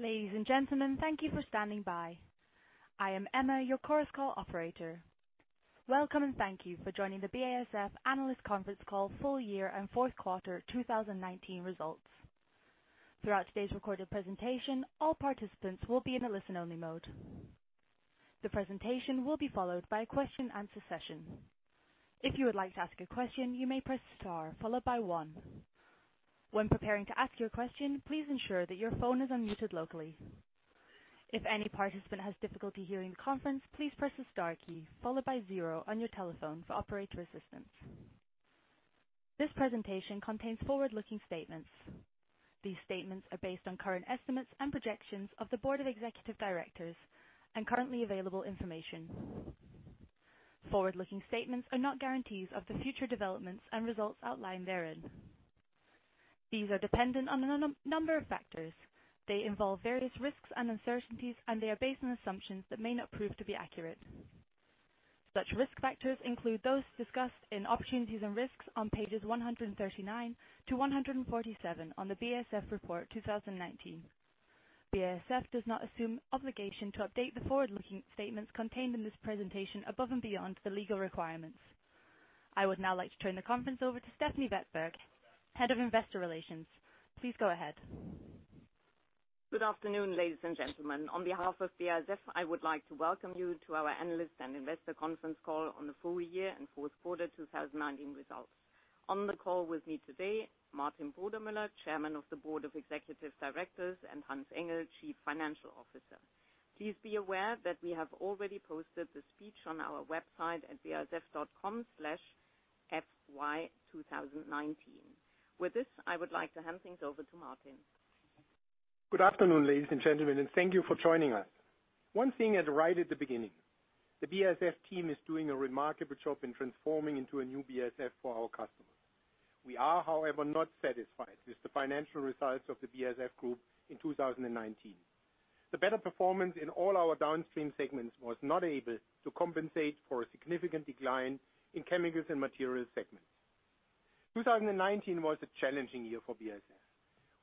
Ladies and gentlemen, thank you for standing by. I am Emma, your Chorus Call Operator. Welcome, thank you for joining the BASF Analyst Conference Call Full-Year and Fourth Quarter 2019 Results. Throughout today's recorded presentation, all participants will be in a listen-only mode. The presentation will be followed by a question and answer session. If you would like to ask a question, you may press star followed by one. When preparing to ask your question, please ensure that your phone is unmuted locally. If any participant has difficulty hearing the conference, please press the star key followed by zero on your telephone for Operator assistance. This presentation contains forward-looking statements. These statements are based on current estimates and projections of the Board of Executive Directors and currently available information. Forward-looking statements are not guarantees of the future developments and results outlined therein. These are dependent on a number of factors. They involve various risks and uncertainties, and they are based on assumptions that may not prove to be accurate. Such risk factors include those discussed in opportunities and risks on pages 139-147 on the BASF Report 2019. BASF does not assume obligation to update the forward-looking statements contained in this presentation above and beyond the legal requirements. I would now like to turn the conference over to Stefanie Wettberg, Head of Investor Relations. Please go ahead. Good afternoon, ladies and gentlemen. On behalf of BASF, I would like to welcome you to our analyst and investor conference call on the full-year and fourth quarter 2019 results. On the call with me today, Martin Brudermüller, Chairman of the Board of Executive Directors, and Hans-Ulrich Engel, Chief Financial Officer. Please be aware that we have already posted the speech on our website at basf.com/fy2019. With this, I would like to hand things over to Martin. Good afternoon, ladies and gentlemen, and thank you for joining us. One thing right at the beginning, the BASF team is doing a remarkable job in transforming into a new BASF for our customers. We are, however, not satisfied with the financial results of the BASF group in 2019. The better performance in all our downstream segments was not able to compensate for a significant decline in chemicals and materials segments. 2019 was a challenging year for BASF.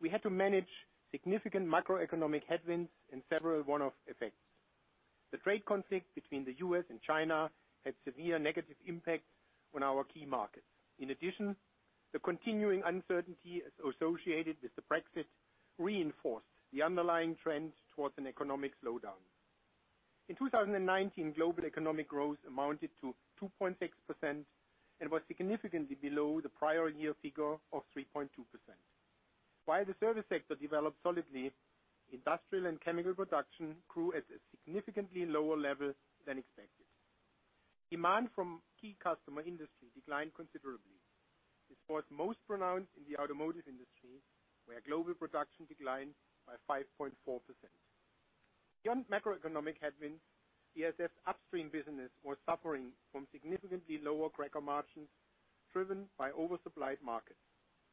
We had to manage significant macroeconomic headwinds and several one-off effects. The trade conflict between the U.S. and China had severe negative impacts on our key markets. In addition, the continuing uncertainty associated with the Brexit reinforced the underlying trend towards an economic slowdown. In 2019, global economic growth amounted to 2.6% and was significantly below the prior year figure of 3.2%. While the service sector developed solidly, industrial and chemical production grew at a significantly lower level than expected. Demand from key customer industry declined considerably. This was most pronounced in the automotive industry, where global production declined by 5.4%. Beyond macroeconomic headwinds, BASF upstream business was suffering from significantly lower cracker margins driven by oversupplied markets.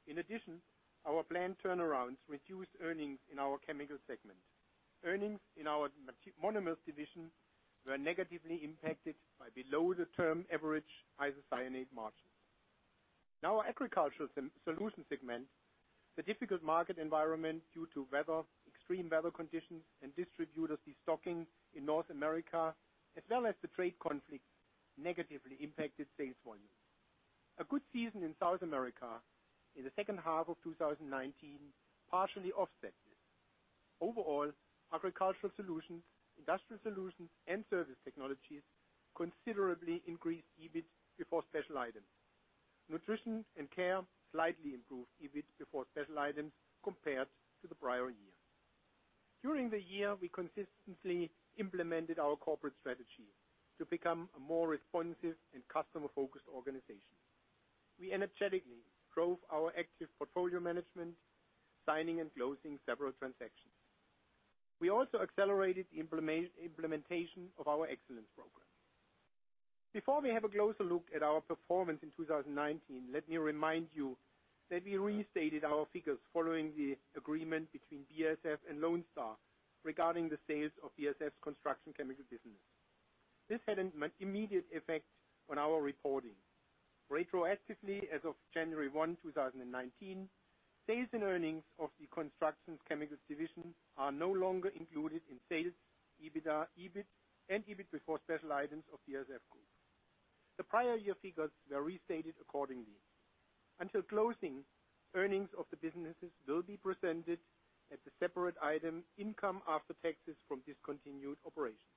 In addition, our planned turnarounds reduced earnings in our chemical segment. Earnings in our Monomers division were negatively impacted by below the term average isocyanate margins. In our Agricultural Solutions segment, the difficult market environment due to weather, extreme weather conditions, and distributor de-stocking in North America, as well as the trade conflict, negatively impacted sales volume. A good season in South America in the second half of 2019 partially offset this. Overall, Agricultural Solutions, Industrial Solutions, and Surface Technologies considerably increased EBIT before special items. Nutrition & Care slightly improved EBIT before special items compared to the prior year. During the year, we consistently implemented our corporate strategy to become a more responsive and customer-focused organization. We energetically drove our active portfolio management, signing and closing several transactions. We also accelerated the implementation of our excellence program. Before we have a closer look at our performance in 2019, let me remind you that we restated our figures following the agreement between BASF and Lone Star regarding the sales of BASF's Construction Chemicals business. This had an immediate effect on our reporting. Retroactively, as of January one, 2019, sales and earnings of the Construction Chemicals division are no longer included in sales, EBITDA, EBIT, and EBIT before special items of BASF Group. The prior year figures were restated accordingly. Until closing, earnings of the businesses will be presented as a separate item, income after taxes from discontinued operations.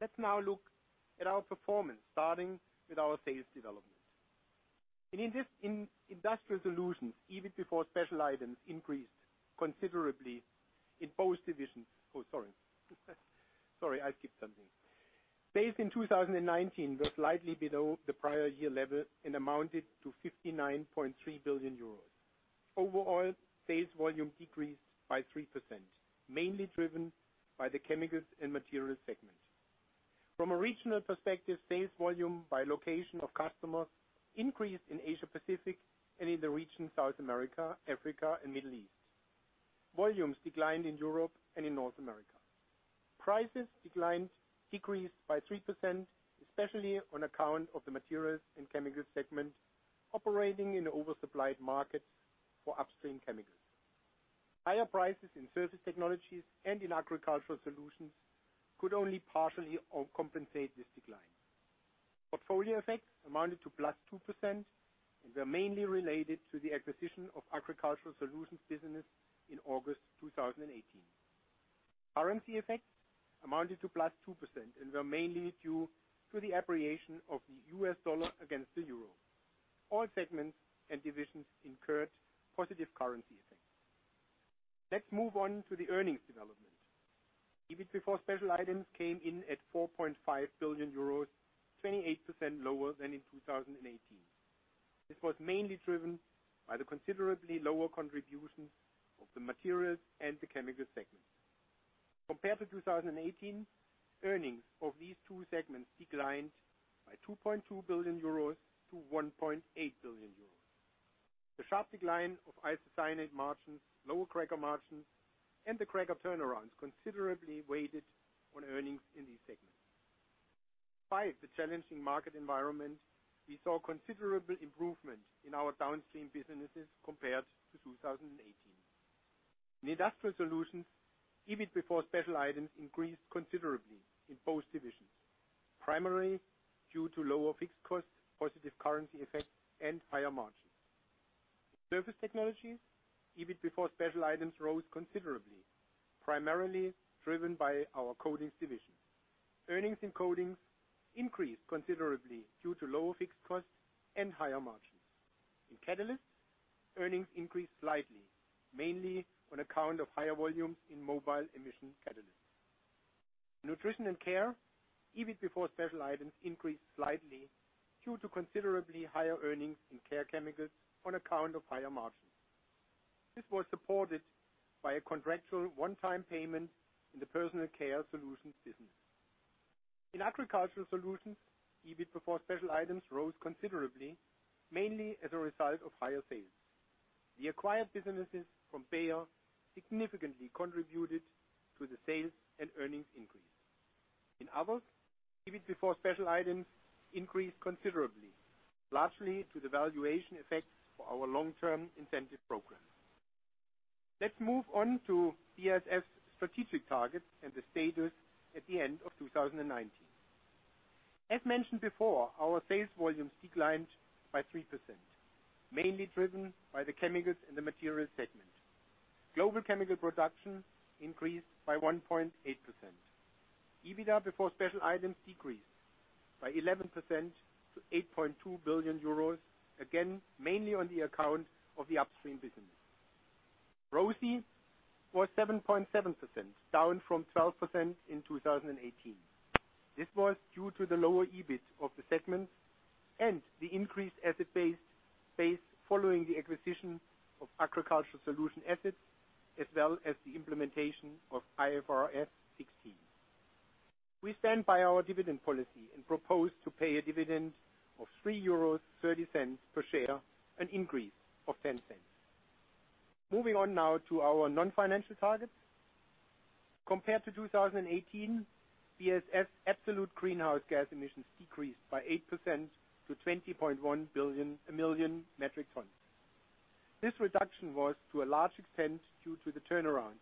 Let's now look at our performance, starting with our sales development. In Industrial Solutions, EBIT before special items increased considerably in both divisions. Sorry, I skipped something. Sales in 2019 were slightly below the prior year level and amounted to 59.3 billion euros. Overall, sales volume decreased by 3%, mainly driven by the chemicals and Materials segment. From a regional perspective, sales volume by location of customers increased in Asia Pacific and in the region South America, Africa, and Middle East. Volumes declined in Europe and in North America. Prices declined, decreased by 3%, especially on account of the Materials and chemicals segment operating in oversupplied markets for upstream chemicals. Higher prices in Surface Technologies and in Agricultural Solutions could only partially compensate this decline. Portfolio effects amounted to +2% and were mainly related to the acquisition of Agricultural Solutions business in August 2018. Currency effects amounted to +2% and were mainly due to the appreciation of the U.S. dollar against the euro. All segments and divisions incurred positive currency effects. Let's move on to the earnings development. EBIT before special items came in at 4.5 billion euros, 28% lower than in 2018. This was mainly driven by the considerably lower contribution of the Materials and the Chemicals segment. Compared to 2018, earnings of these two segments declined by 2.2 billion-1.8 billion euros. The sharp decline of isocyanate margins, lower cracker margins, and the cracker turnarounds considerably weighted on earnings in these segments. Despite the challenging market environment, we saw considerable improvement in our downstream businesses compared to 2018. In Industrial Solutions, EBIT before special items increased considerably in both divisions, primarily due to lower fixed costs, positive currency effects, and higher margins. In Surface Technologies, EBIT before special items rose considerably, primarily driven by our Coatings division. Earnings in Coatings increased considerably due to lower fixed costs and higher margins. In Catalysts, earnings increased slightly, mainly on account of higher volumes in mobile emissions catalysts. In Nutrition & Care, EBIT before special items increased slightly due to considerably higher earnings in Care Chemicals on account of higher margins. This was supported by a contractual one-time payment in the Personal Care Solutions business. In Agricultural Solutions, EBIT before special items rose considerably, mainly as a result of higher sales. The acquired businesses from Bayer significantly contributed to the sales and earnings increase. In Others, EBIT before special items increased considerably, largely to the valuation effect for our long-term incentive program. Let's move on to BASF's strategic targets and the status at the end of 2019. As mentioned before, our sales volumes declined by 3%, mainly driven by the chemicals and the materials segment. Global chemical production increased by 1.8%. EBITDA before special items decreased by 11% to 8.2 billion euros, again, mainly on the account of the upstream business. ROCE was 7.7%, down from 12% in 2018. This was due to the lower EBIT of the segment and the increased asset base following the acquisition of Agricultural Solutions assets, as well as the implementation of IFRS 16. We stand by our dividend policy and propose to pay a dividend of 3.30 euros per share, an increase of 0.10. Moving on now to our non-financial targets. Compared to 2018, BASF's absolute greenhouse gas emissions decreased by 8% to 20.1 million metric tons. This reduction was, to a large extent, due to the turnaround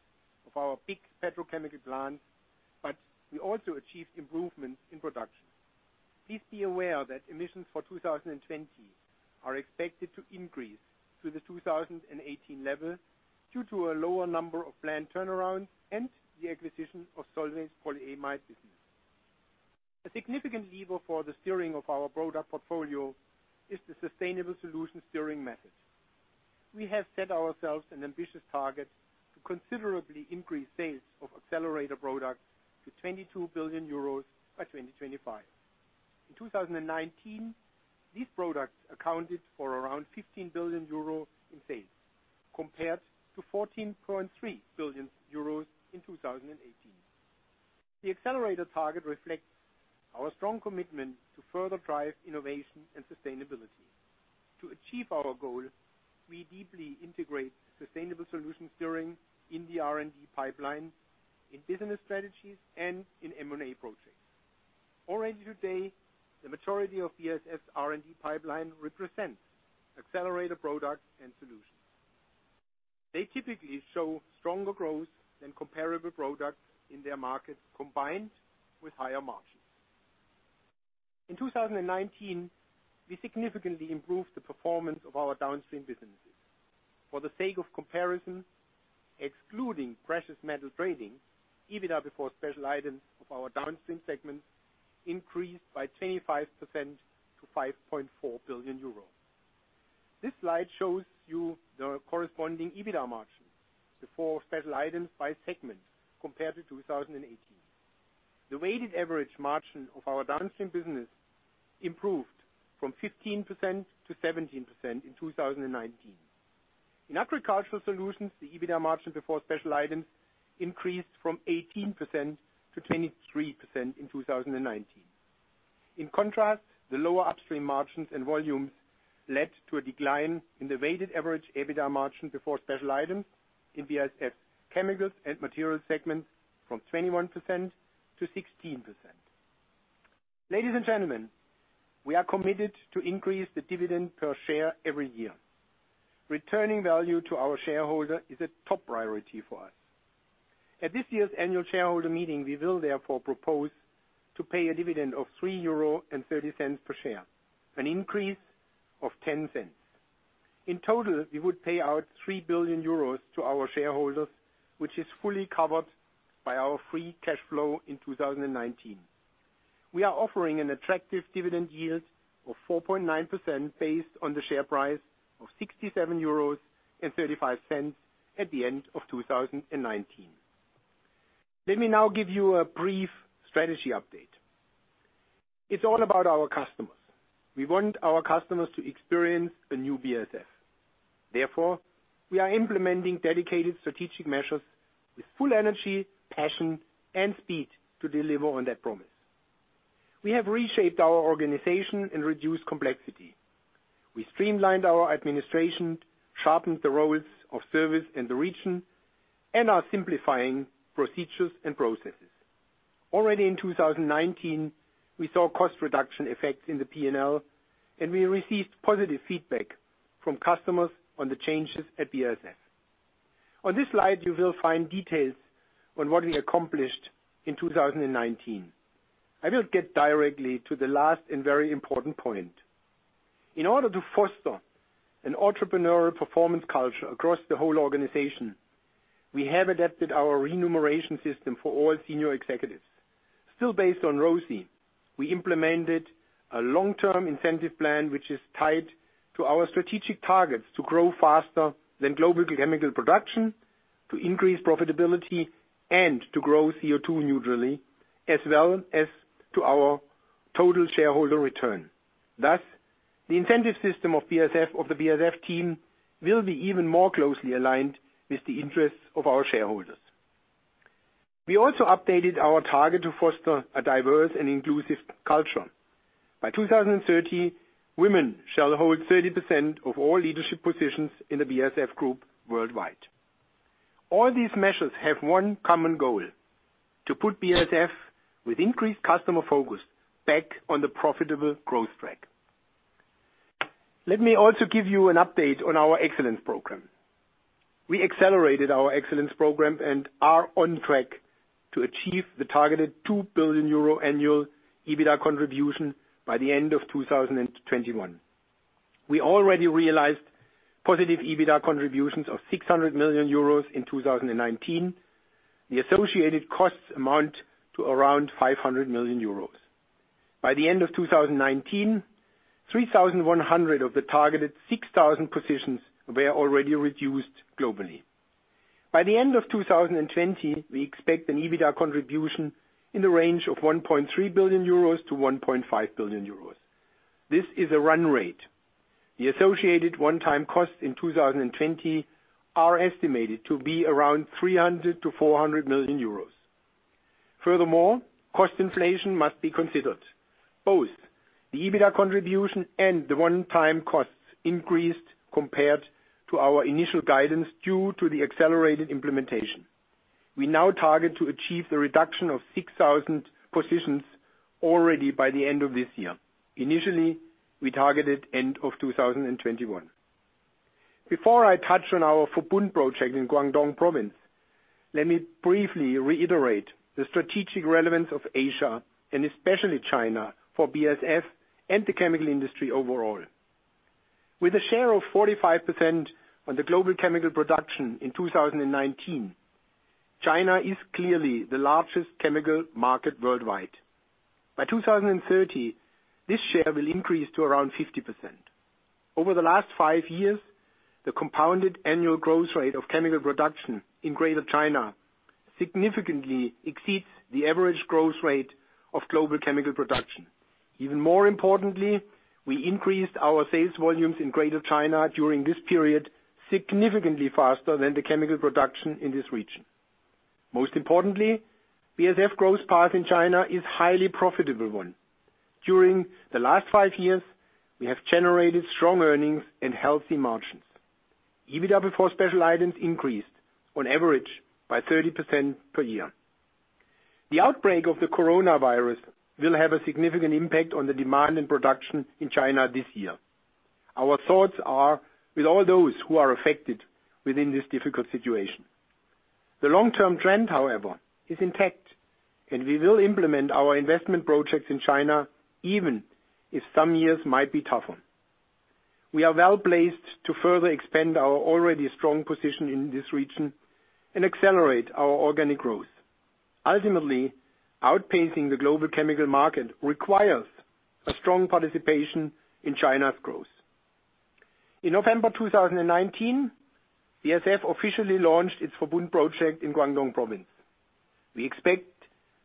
of our big petrochemical plant, but we also achieved improvements in production. Please be aware that emissions for 2020 are expected to increase to the 2018 level due to a lower number of plant turnarounds and the acquisition of Solvay's polyamide business. A significant lever for the steering of our product portfolio is the sustainable solution steering method. We have set ourselves an ambitious target to considerably increase sales of accelerated products to 22 billion euros by 2025. In 2019, these products accounted for around 15 billion euro in sales, compared to 14.3 billion euros in 2018. The accelerated target reflects our strong commitment to further drive innovation and sustainability. To achieve our goal, we deeply integrate sustainable solution steering in the R&D pipeline, in business strategies, and in M&A projects. Already today, the majority of BASF's R&D pipeline represents accelerated products and solutions. They typically show stronger growth than comparable products in their market, combined with higher margins. In 2019, we significantly improved the performance of our downstream businesses. For the sake of comparison, excluding precious metal trading, EBITDA before special items of our downstream segment increased by 25% to 5.4 billion euros. This slide shows you the corresponding EBITDA margin before special items by segment compared to 2018. The weighted average margin of our downstream business improved from 15%-17% in 2019. In Agricultural Solutions, the EBITDA margin before special items increased from 18%-23% in 2019. In contrast, the lower upstream margins and volumes led to a decline in the weighted average EBITDA margin before special items in BASF Chemicals and Materials segment from 21%-16%. Ladies and gentlemen, we are committed to increase the dividend per share every year. Returning value to our shareholder is a top priority for us. At this year's annual shareholder meeting, we will therefore propose to pay a dividend of 3.30 euro per share, an increase of 0.10. In total, we would pay out 3 billion euros to our shareholders, which is fully covered by our free cash flow in 2019. We are offering an attractive dividend yield of 4.9% based on the share price of 67.35 euros at the end of 2019. Let me now give you a brief strategy update. It's all about our customers. We want our customers to experience the new BASF. We are implementing dedicated strategic measures with full energy, passion, and speed to deliver on that promise. We have reshaped our organization and reduced complexity. We streamlined our administration, sharpened the roles of service in the region, and are simplifying procedures and processes. Already in 2019, we saw cost reduction effects in the P&L, and we received positive feedback from customers on the changes at BASF. On this slide, you will find details on what we accomplished in 2019. I will get directly to the last and very important point. In order to foster an entrepreneurial performance culture across the whole organization, we have adapted our remuneration system for all senior executives. Still based on ROCE, we implemented a long-term incentive plan, which is tied to our strategic targets to grow faster than global chemical production, to increase profitability, and to grow CO2 neutrally, as well as to our total shareholder return. Thus, the incentive system of the BASF team will be even more closely aligned with the interests of our shareholders. We also updated our target to foster a diverse and inclusive culture. By 2030, women shall hold 30% of all leadership positions in the BASF group worldwide. All these measures have one common goal, to put BASF with increased customer focus back on the profitable growth track. Let me also give you an update on our excellence program. We accelerated our excellence program and are on track to achieve the targeted 2 billion euro annual EBITDA contribution by the end of 2021. We already realized positive EBITDA contributions of 600 million euros in 2019. The associated costs amount to around 500 million euros. By the end of 2019, 3,100 of the targeted 6,000 positions were already reduced globally. By the end of 2020, we expect an EBITDA contribution in the range of 1.3 billion-1.5 billion euros. This is a run rate. The associated one-time costs in 2020 are estimated to be around 300 million-400 million euros. Cost inflation must be considered. Both the EBITDA contribution and the one-time costs increased compared to our initial guidance due to the accelerated implementation. We now target to achieve the reduction of 6,000 positions already by the end of this year. Initially, we targeted end of 2021. Before I touch on our Verbund project in Zhanjiang, let me briefly reiterate the strategic relevance of Asia, and especially China, for BASF and the chemical industry overall. With a share of 45% on the global chemical production in 2019, China is clearly the largest chemical market worldwide. By 2030, this share will increase to around 50%. Over the last five years, the compounded annual growth rate of chemical production in Greater China significantly exceeds the average growth rate of global chemical production. Even more importantly, we increased our sales volumes in Greater China during this period significantly faster than the chemical production in this region. Most importantly, BASF growth path in China is highly profitable one. During the last five years, we have generated strong earnings and healthy margins. EBITDA before special items increased on average by 30% per year. The outbreak of the coronavirus will have a significant impact on the demand and production in China this year. Our thoughts are with all those who are affected within this difficult situation. The long-term trend, however, is intact, and we will implement our investment projects in China, even if some years might be tougher. We are well-placed to further expand our already strong position in this region and accelerate our organic growth. Ultimately, outpacing the global chemical market requires a strong participation in China's growth. In November 2019, BASF officially launched its Verbund project in Guangdong Province. We expect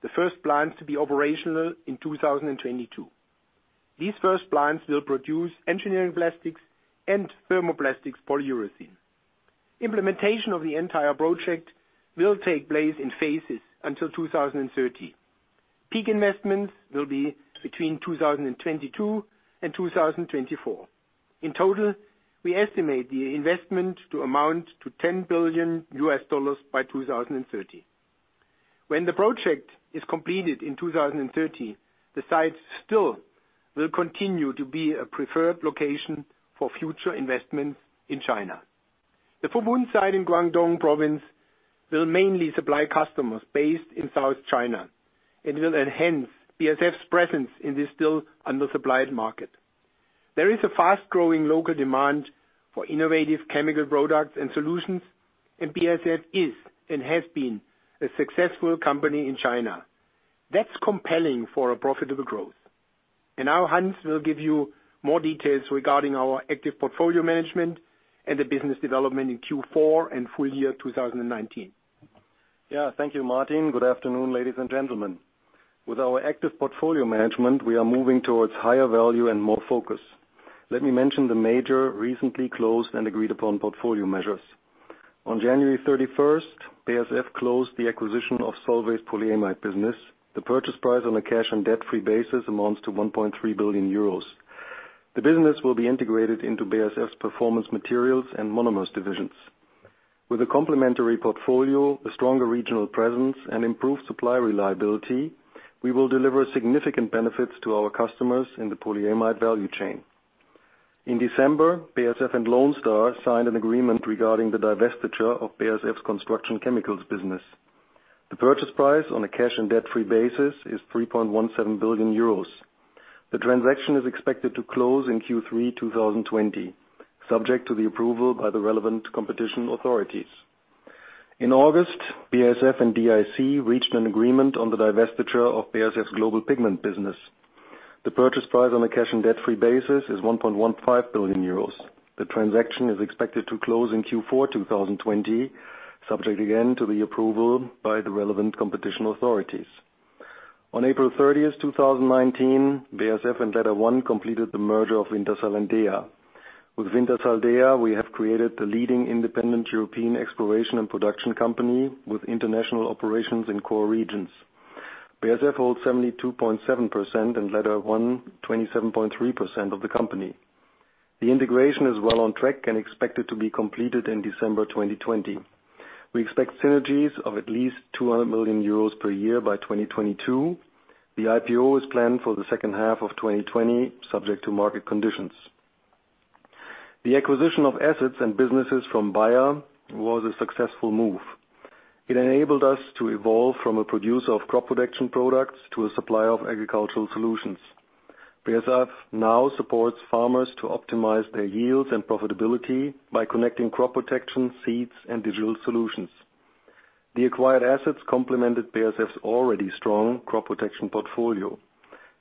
the first plants to be operational in 2022. These first plants will produce engineering plastics and thermoplastic polyurethane. Implementation of the entire project will take place in phases until 2030. Peak investments will be between 2022 and 2024. In total, we estimate the investment to amount to $10 billion by 2030. When the project is completed in 2030, the site still will continue to be a preferred location for future investments in China. The Zhanjiang site in Guangdong Province will mainly supply customers based in South China. It will enhance BASF's presence in this still undersupplied market. There is a fast-growing local demand for innovative chemical products and solutions. BASF is and has been a successful company in China. That's compelling for a profitable growth. Now Hans will give you more details regarding our active portfolio management and the business development in Q4 and full-year 2019. Thank you, Martin. Good afternoon, ladies and gentlemen. With our active portfolio management, we are moving towards higher value and more focus. Let me mention the major recently closed and agreed-upon portfolio measures. On January 31st, BASF closed the acquisition of Solvay's polyamide business. The purchase price on a cash and debt-free basis amounts to 1.3 billion euros. The business will be integrated into BASF's Performance Materials and Monomers divisions. With a complementary portfolio, a stronger regional presence, and improved supply reliability, we will deliver significant benefits to our customers in the polyamide value chain. In December, BASF and Lone Star signed an agreement regarding the divestiture of BASF's Construction Chemicals business. The purchase price on a cash and debt-free basis is 3.17 billion euros. The transaction is expected to close in Q3 2020, subject to the approval by the relevant competition authorities. In August, BASF and DIC reached an agreement on the divestiture of BASF's global pigment business. The purchase price on a cash and debt-free basis is 1.15 billion euros. The transaction is expected to close in Q4 2020, subject again to the approval by the relevant competition authorities. On April 30th, 2019, BASF and LetterOne completed the merger of Wintershall and DEA. With Wintershall Dea, we have created the leading independent European exploration and production company with international operations in core regions. BASF holds 72.7% and LetterOne 27.3% of the company. The integration is well on track and expected to be completed in December 2020. We expect synergies of at least 200 million euros per year by 2022. The IPO is planned for the second half of 2020, subject to market conditions. The acquisition of assets and businesses from Bayer was a successful move. It enabled us to evolve from a producer of crop protection products to a supplier of Agricultural Solutions. BASF now supports farmers to optimize their yields and profitability by connecting crop protection, seeds, and digital solutions. The acquired assets complemented BASF's already strong crop protection portfolio,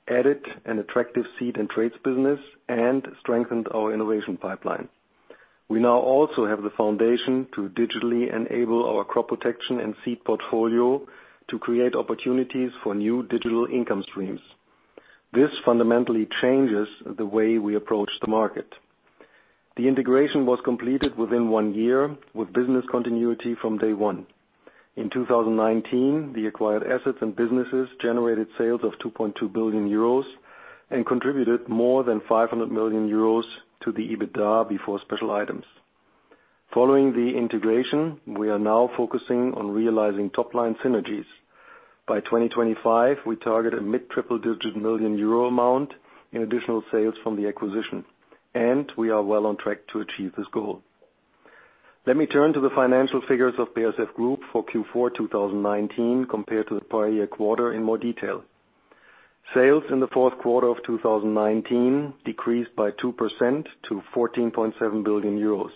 added an attractive seed and trades business, and strengthened our innovation pipeline. We now also have the foundation to digitally enable our crop protection and seed portfolio to create opportunities for new digital income streams. This fundamentally changes the way we approach the market. The integration was completed within one year with business continuity from day one. In 2019, the acquired assets and businesses generated sales of 2.2 billion euros and contributed more than 500 million euros to the EBITDA before special items. Following the integration, we are now focusing on realizing top-line synergies. By 2025, we target a mid-triple digit million EUR amount in additional sales from the acquisition, and we are well on track to achieve this goal. Let me turn to the financial figures of BASF Group for Q4 2019 compared to the prior year quarter in more detail. Sales in the fourth quarter of 2019 decreased by 2% to 14.7 billion euros.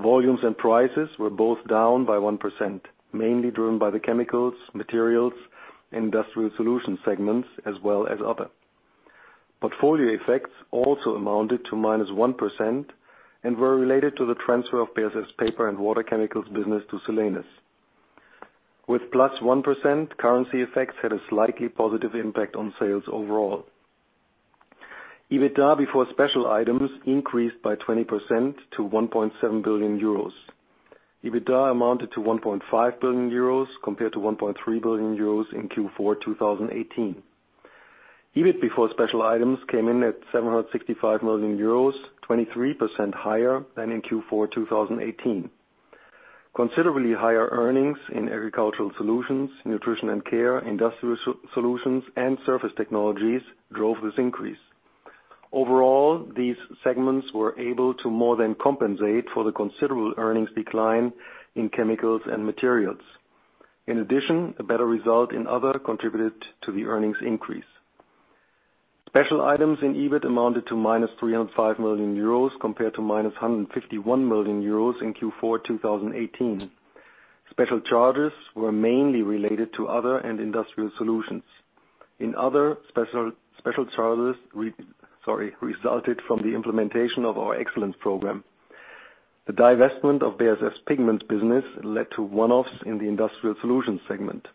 Volumes and prices were both down by 1%, mainly driven by the chemicals, Materials, Industrial Solutions segments, as well as other. Portfolio effects also amounted to minus 1% and were related to the transfer of BASF's paper and water chemicals business to Solenis. With plus 1%, currency effects had a slightly positive impact on sales overall. EBITDA before special items increased by 20% to 1.7 billion euros. EBITDA amounted to 1.5 billion euros compared to 1.3 billion euros in Q4 2018. EBIT before special items came in at 765 million euros, 23% higher than in Q4 2018. Considerably higher earnings in Agricultural Solutions, Nutrition & Care, Industrial Solutions, and Surface Technologies drove this increase. Overall, these segments were able to more than compensate for the considerable earnings decline in Chemicals & Materials. In addition, a better result in Other contributed to the earnings increase. Special items in EBIT amounted to minus 305 million euros compared to minus 151 million euros in Q4 2018. Special charges were mainly related to Other and Industrial Solutions. In Other, special charges resulted from the implementation of our Excellence Program. The divestment of BASF's Pigments Business led to one-offs in the Industrial Solutions segment.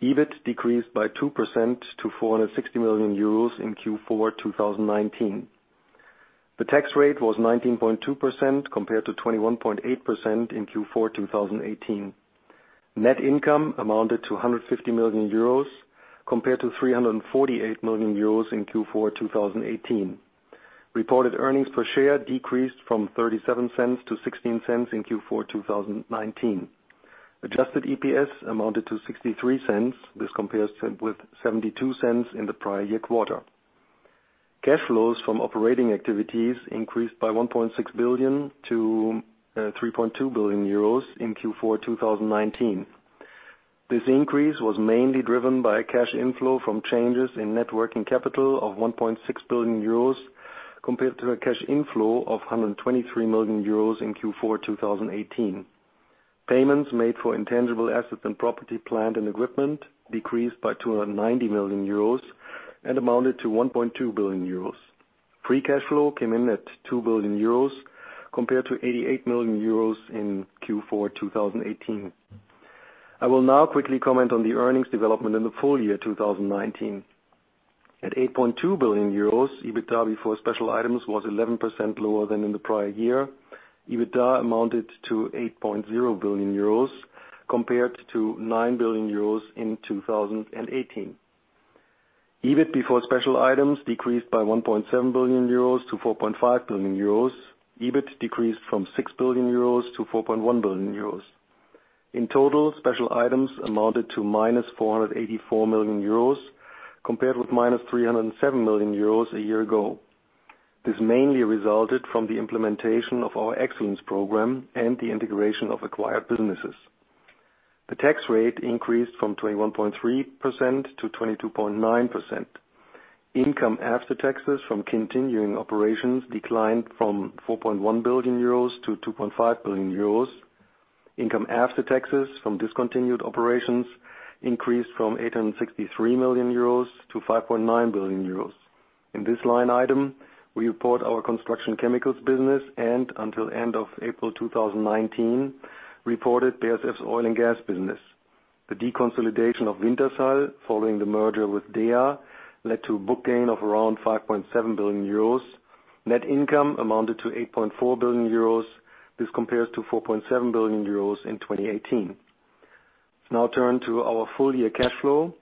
EBIT decreased by 2% to 460 million euros in Q4 2019. The tax rate was 19.2% compared to 21.8% in Q4 2018. Net income amounted to 150 million euros compared to 348 million euros in Q4 2018. Reported earnings per share decreased from 0.37-0.16 in Q4 2019. Adjusted EPS amounted to 0.63. This compares with 0.72 in the prior year quarter. Cash flows from operating activities increased by 1.6 billion-3.2 billion euros in Q4 2019. This increase was mainly driven by cash inflow from changes in net working capital of 1.6 billion euros compared to a cash inflow of 123 million euros in Q4 2018. Payments made for intangible assets and property, plant, and equipment decreased by 290 million euros and amounted to 1.2 billion euros. Free cash flow came in at 2 billion euros compared to 88 million euros in Q4 2018. I will now quickly comment on the earnings development in the full-year 2019. At 8.2 billion euros, EBITDA before special items was 11% lower than in the prior year. EBITDA amounted to 8.0 billion euros compared to 9 billion euros in 2018. EBIT before special items decreased by 1.7 billion euros to 4.5 billion euros. EBIT decreased from 6 billion euros to 4.1 billion euros. In total, special items amounted to -484 million euros, compared with -307 million euros a year ago. This mainly resulted from the implementation of our excellence program and the integration of acquired businesses. The tax rate increased from 21.3%-22.9%. Income after taxes from continuing operations declined from 4.1 billion-2.5 billion euros. Income after taxes from discontinued operations increased from 863 million-5.9 billion euros. In this line item, we report our Construction Chemicals business and, until end of April 2019, reported BASF's Oil and Gas business. The deconsolidation of Wintershall, following the merger with DEA, led to a book gain of around 5.7 billion euros. Net income amounted to 8.4 billion euros. This compares to 4.7 billion euros in 2018. Let's now turn to our full-year cash flow.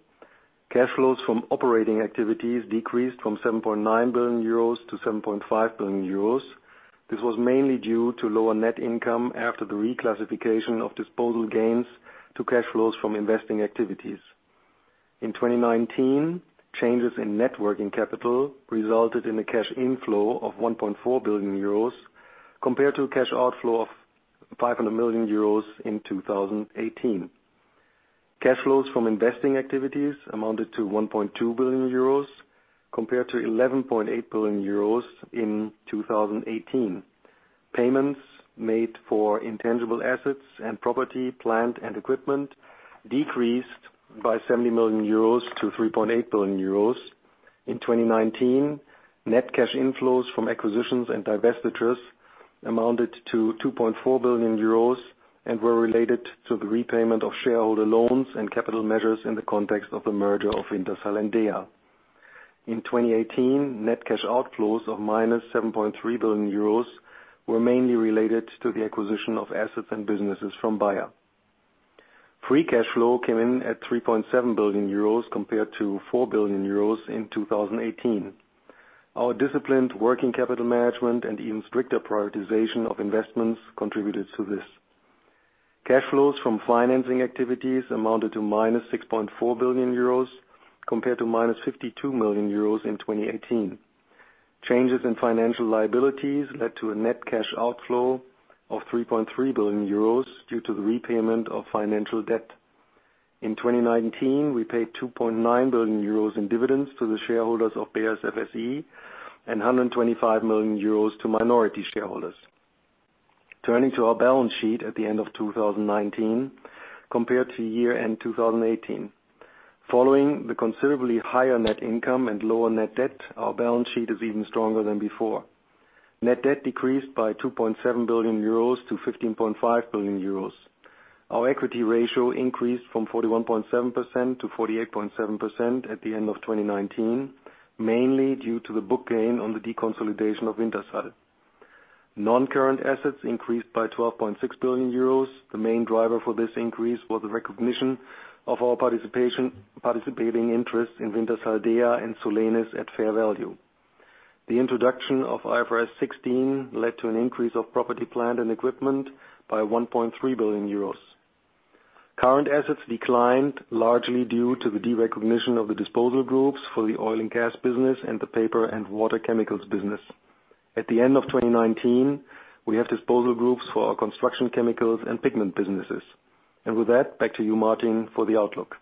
Cash flows from operating activities decreased from 7.9 billion-7.5 billion euros. This was mainly due to lower net income after the reclassification of disposal gains to cash flows from investing activities. In 2019, changes in net working capital resulted in a cash inflow of 1.4 billion euros compared to a cash outflow of 500 million euros in 2018. Cash flows from investing activities amounted to 1.2 billion euros compared to 11.8 billion euros in 2018. Payments made for intangible assets and property, plant, and equipment decreased by 70 million-3.8 billion euros. In 2019, net cash inflows from acquisitions and divestitures amounted to 2.4 billion euros and were related to the repayment of shareholder loans and capital measures in the context of the merger of Wintershall and DEA. In 2018, net cash outflows of minus 7.3 billion euros were mainly related to the acquisition of assets and businesses from Bayer. Free cash flow came in at 3.7 billion euros compared to 4 billion euros in 2018. Our disciplined working capital management and even stricter prioritization of investments contributed to this. Cash flows from financing activities amounted to -6.4 billion euros compared to -52 million euros in 2018. Changes in financial liabilities led to a net cash outflow of 3.3 billion euros due to the repayment of financial debt. In 2019, we paid 2.9 billion euros in dividends to the shareholders of BASF SE and 125 million euros to minority shareholders. Turning to our balance sheet at the end of 2019 compared to year-end 2018. Following the considerably higher net income and lower net debt, our balance sheet is even stronger than before. Net debt decreased by 2.7 billion-15.5 billion euros. Our equity ratio increased from 41.7%-48.7% at the end of 2019, mainly due to the book gain on the deconsolidation of Wintershall. Non-current assets increased by 12.6 billion euros. The main driver for this increase was the recognition of our participating interest in Wintershall Dea and Solenis at fair value. The introduction of IFRS 16 led to an increase of property, plant, and equipment by 1.3 billion euros. Current assets declined largely due to the derecognition of the disposal groups for the Oil and Gas business and the Paper and Water Chemicals business. At the end of 2019, we have disposal groups for our Construction Chemicals and pigment businesses. With that, back to you, Martin, for the outlook.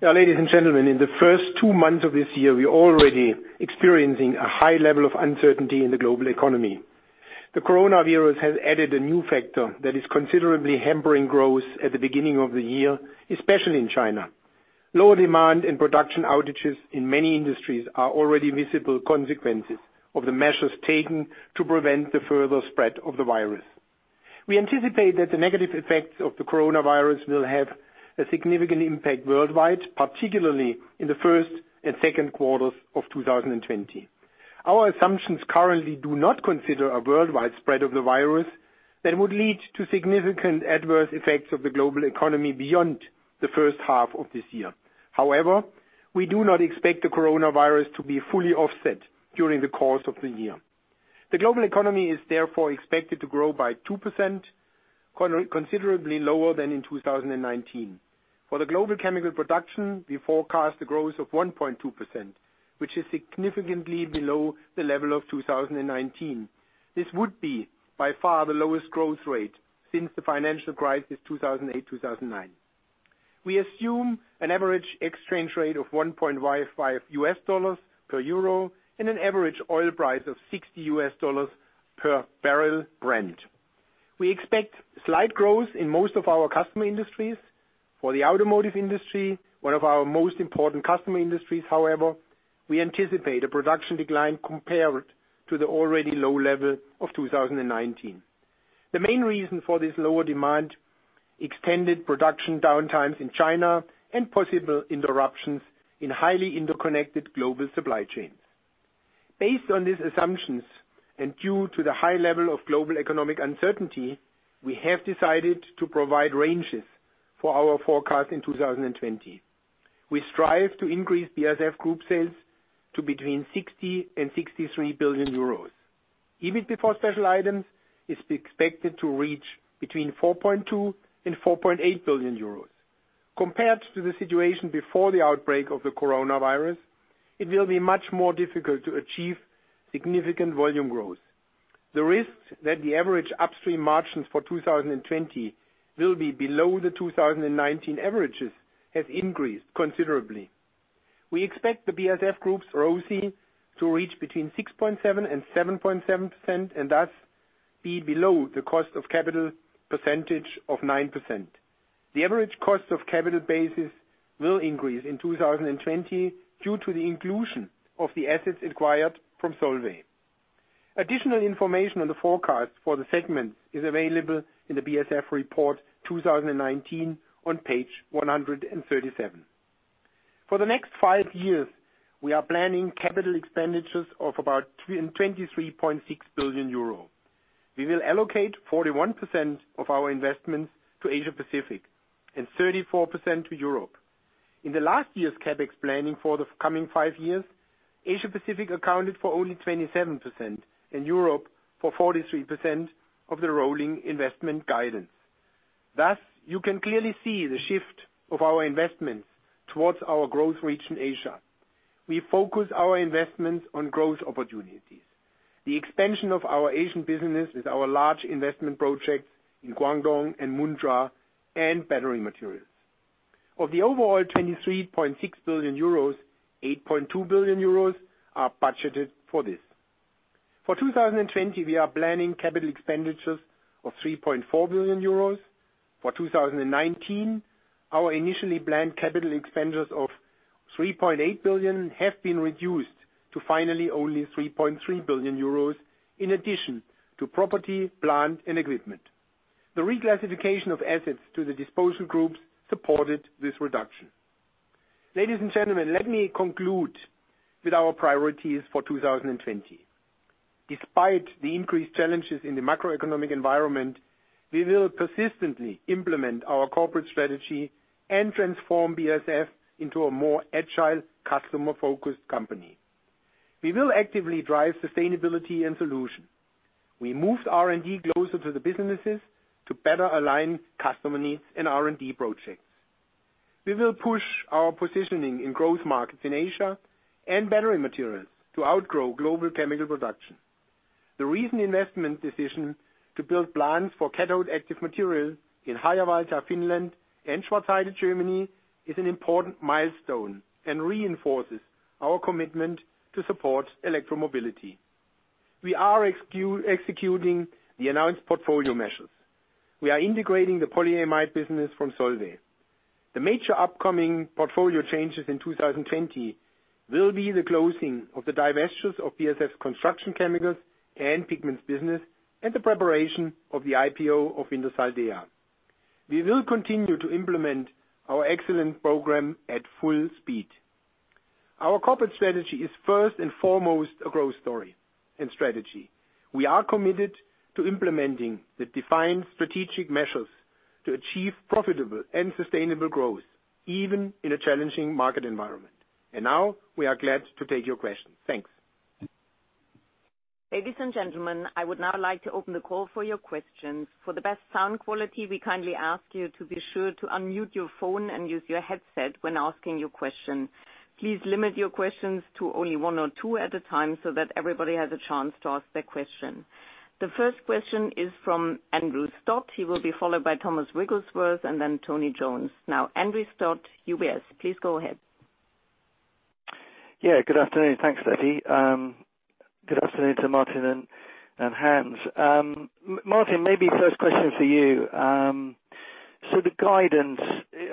Ladies and gentlemen, in the first two months of this year, we are already experiencing a high level of uncertainty in the global economy. The coronavirus has added a new factor that is considerably hampering growth at the beginning of the year, especially in China. Lower demand and production outages in many industries are already visible consequences of the measures taken to prevent the further spread of the virus. We anticipate that the negative effects of the coronavirus will have a significant impact worldwide, particularly in the first and second quarters of 2020. Our assumptions currently do not consider a worldwide spread of the virus that would lead to significant adverse effects of the global economy beyond the first half of this year. We do not expect the coronavirus to be fully offset during the course of the year. The global economy is therefore expected to grow by 2%, considerably lower than in 2019. For the global chemical production, we forecast a growth of 1.2%, which is significantly below the level of 2019. This would be by far the lowest growth rate since the financial crisis 2008, 2009. We assume an average exchange rate of $1.55 per EUR and an average oil price of $60 per barrel Brent. We expect slight growth in most of our customer industries. For the automotive industry, one of our most important customer industries, however, we anticipate a production decline compared to the already low level of 2019. The main reason for this lower demand, extended production downtimes in China, and possible interruptions in highly interconnected global supply chains. Based on these assumptions, and due to the high level of global economic uncertainty, we have decided to provide ranges for our forecast in 2020. We strive to increase BASF Group sales to between 60 billion and 63 billion euros. EBIT before special items is expected to reach between 4.2 billion and 4.8 billion euros. Compared to the situation before the outbreak of the coronavirus, it will be much more difficult to achieve significant volume growth. The risks that the average upstream margins for 2020 will be below the 2019 averages has increased considerably. We expect the BASF Group's ROCE to reach between 6.7% and 7.7%, and thus be below the cost of capital percentage of 9%. The average cost of capital basis will increase in 2020 due to the inclusion of the assets acquired from Solvay. Additional information on the forecast for the segment is available in the BASF Report 2019 on page 137. For the next five years, we are planning capital expenditures of about 23.6 billion euro. We will allocate 41% of our investments to Asia Pacific and 34% to Europe. In the last year's CapEx planning for the coming five years, Asia Pacific accounted for only 27%, and Europe for 43% of the rolling investment guidance. You can clearly see the shift of our investments towards our growth reach in Asia. We focus our investments on growth opportunities. The expansion of our Asian business is our large investment project in Guangdong and Mundra and battery materials. Of the overall 23.6 billion euros, 8.2 billion euros are budgeted for this. For 2020, we are planning capital expenditures of 3.4 billion euros. For 2019, our initially planned capital expenditures of 3.8 billion have been reduced to finally only 3.3 billion euros, in addition to property, plant, and equipment. The reclassification of assets to the disposal groups supported this reduction. Ladies and gentlemen, let me conclude with our priorities for 2020. Despite the increased challenges in the macroeconomic environment, we will persistently implement our corporate strategy and transform BASF into a more agile, customer-focused company. We will actively drive sustainability and solution. We moved R&D closer to the businesses to better align customer needs and R&D projects. We will push our positioning in growth markets in Asia and battery materials to outgrow global chemical production. The recent investment decision to build plants for cathode active material in Harjavalta, Finland and Schwarzheide, Germany is an important milestone and reinforces our commitment to support electromobility. We are executing the announced portfolio measures. We are integrating the polyamide business from Solvay. The major upcoming portfolio changes in 2020 will be the closing of the divestitures of BASF Construction Chemicals and Pigments business, and the preparation of the IPO of Wintershall Dea. We will continue to implement our excellent program at full speed. Our corporate strategy is first and foremost a growth story and strategy. We are committed to implementing the defined strategic measures to achieve profitable and sustainable growth, even in a challenging market environment. Now, we are glad to take your questions. Thanks. Ladies and gentlemen, I would now like to open the call for your questions. For the best sound quality, we kindly ask you to be sure to unmute your phone and use your headset when asking your question. Please limit your questions to only one or two at a time so that everybody has a chance to ask their question. The first question is from Andrew Stott. He will be followed by Thomas Wigglesworth and then Tony Jones. Now, Andrew Stott, UBS, please go ahead. Good afternoon. Thanks, Stefanie. Good afternoon to Martin and Hans. Martin, maybe first question for you. The guidance,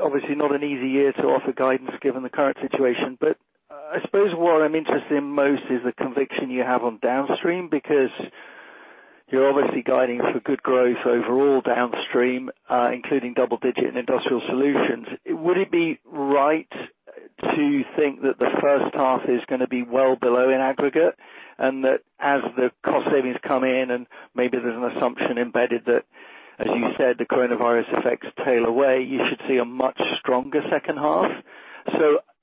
obviously not an easy year to offer guidance given the current situation. I suppose what I'm interested in most is the conviction you have on downstream, because you're obviously guiding for good growth overall downstream, including double-digit and Industrial Solutions. Would it be right to think that the first half is going to be well below in aggregate, and that as the cost savings come in, and maybe there's an assumption embedded that, as you said, the coronavirus effects tail away, you should see a much stronger second half?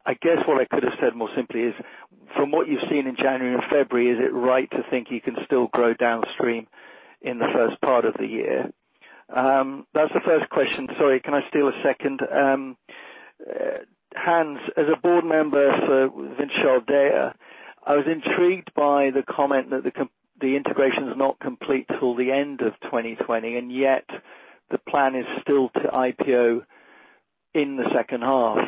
I guess what I could have said more simply is, from what you've seen in January and February, is it right to think you can still grow downstream in the first part of the year? That's the first question. Sorry, can I steal a second? Hans, as a board member for Wintershall Dea, I was intrigued by the comment that the integration's not complete till the end of 2020, and yet the plan is still to IPO in the second half.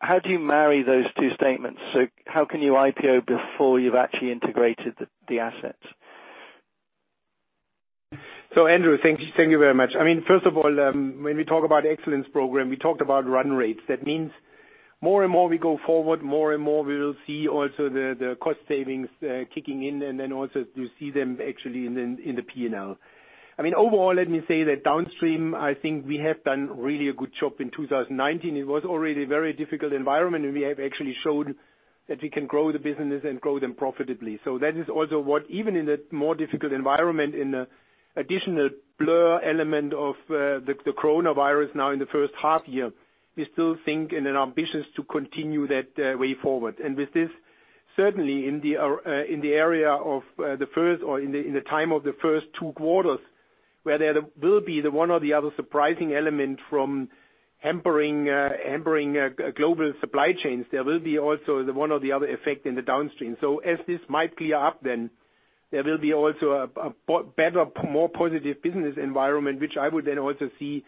How do you marry those two statements? How can you IPO before you've actually integrated the assets? Andrew, thank you very much. First of all, when we talk about excellence program, we talked about run rates. That means more and more we go forward, more and more we will see also the cost savings kicking in, and then also to see them actually in the P&L. Overall, let me say that downstream, I think we have done really a good job in 2019. It was already a very difficult environment, and we have actually showed that we can grow the business and grow them profitably. That is also what, even in a more difficult environment, in the additional blur element of the coronavirus now in the first half year, we still think and are ambitious to continue that way forward. With this, certainly in the area of the first, or in the time of the first two quarters, where there will be the one or the other surprising element from hampering global supply chains. There will be also the one or the other effect in the downstream. As this might clear up, then, there will be also a better, more positive business environment, which I would then also see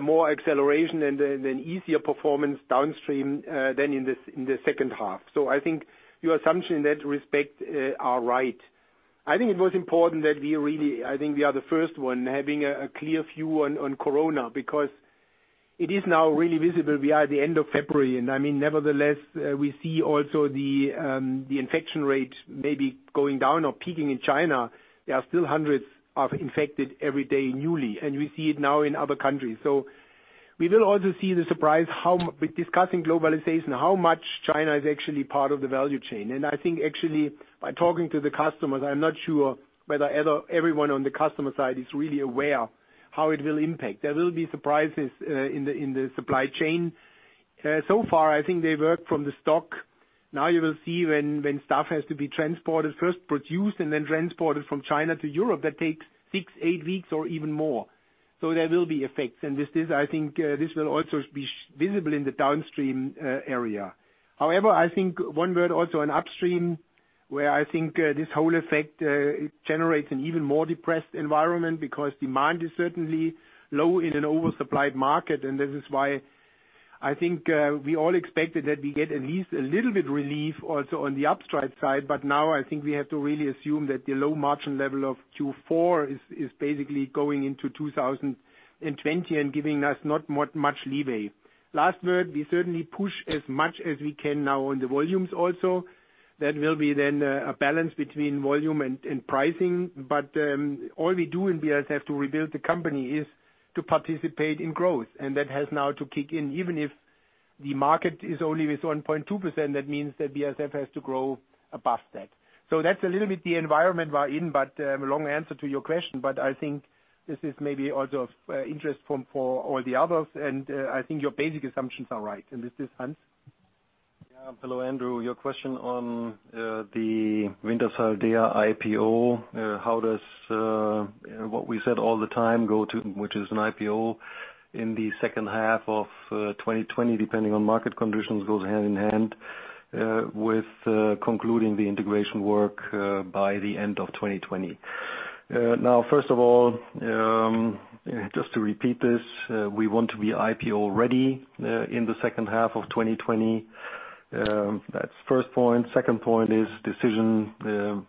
more acceleration and an easier performance downstream than in the second half. I think your assumption in that respect are right. I think it was important that we are the first one having a clear view on corona, because it is now really visible. We are at the end of February, and nevertheless, we see also the infection rate maybe going down or peaking in China. There are still hundreds of infected every day newly, and we see it now in other countries. We will also see the surprise how, with discussing globalization, how much China is actually part of the value chain. I think actually by talking to the customers, I am not sure whether everyone on the customer side is really aware how it will impact. There will be surprises in the supply chain. So far, I think they work from the stock. Now you will see when stuff has to be transported, first produced, and then transported from China to Europe. That takes six, eight weeks or even more. There will be effects. This, I think this will also be visible in the downstream area. I think one word also on upstream, where I think this whole effect generates an even more depressed environment, because demand is certainly low in an oversupplied market. This is why I think we all expected that we get at least a little bit relief also on the upstream side. Now I think we have to really assume that the low margin level of Q4 is basically going into 2020 and giving us not much leeway. Last word, we certainly push as much as we can now on the volumes also. That will be then a balance between volume and pricing. All we do in BASF to rebuild the company is to participate in growth, and that has now to kick in. Even if the market is only with 1.2%, that means that BASF has to grow above that. That's a little bit the environment we're in, but a long answer to your question. I think this is maybe also of interest for all the others, and I think your basic assumptions are right. This is Hans. Hello, Andrew. Your question on the Wintershall Dea IPO, how does what we said all the time go to, which is an IPO in the second half of 2020, depending on market conditions, goes hand in hand with concluding the integration work by the end of 2020. First of all, just to repeat this, we want to be IPO ready in the second half of 2020. That's first point. Second point is decision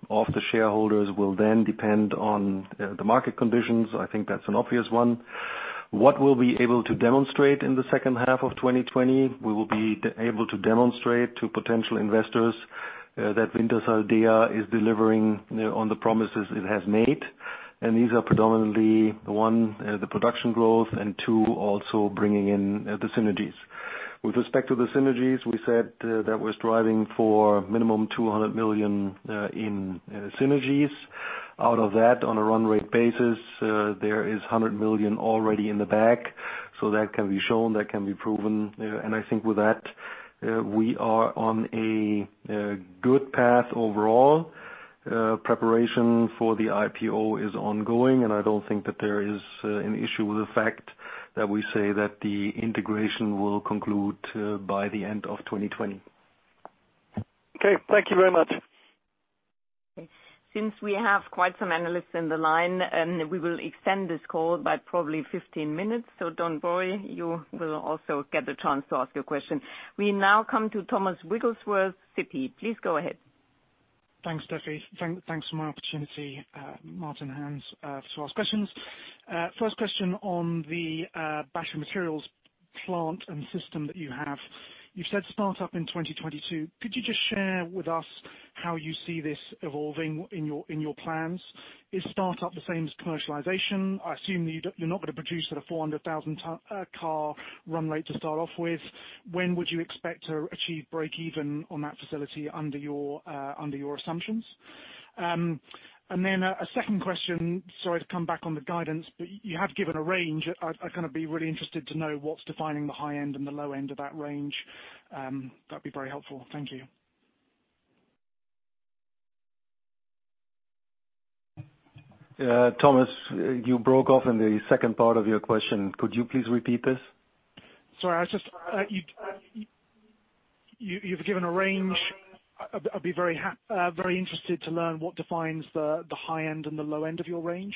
of the shareholders will then depend on the market conditions. I think that's an obvious one. What we'll be able to demonstrate in the second half of 2020, we will be able to demonstrate to potential investors that Wintershall Dea is delivering on the promises it has made, and these are predominantly, one, the production growth, and two, also bringing in the synergies. With respect to the synergies, we said that we're striving for minimum 200 million in synergies. On a run rate basis, there is 100 million already in the bag. That can be shown, that can be proven. I think with that, we are on a good path overall. Preparation for the IPO is ongoing, and I don't think that there is an issue with the fact that we say that the integration will conclude by the end of 2020. Okay. Thank you very much. Since we have quite some analysts in the line, we will extend this call by probably 15 minutes. Don't worry, you will also get the chance to ask your question. We now come to Thomas Wigglesworth, Citi. Please go ahead. Thanks, Steffi. Thanks for my opportunity, Martin and Hans, to ask questions. First question on the battery materials plant and system that you have. You said start up in 2022. Could you just share with us how you see this evolving in your plans? Is start up the same as commercialization? I assume that you're not going to produce at a 400,000 car run rate to start off with. When would you expect to achieve break-even on that facility under your assumptions? A second question, sorry to come back on the guidance, but you have given a range. I'd be really interested to know what's defining the high end and the low end of that range. That'd be very helpful. Thank you. Thomas, you broke off in the second part of your question. Could you please repeat this? Sorry. You've given a range. I'd be very interested to learn what defines the high end and the low end of your range.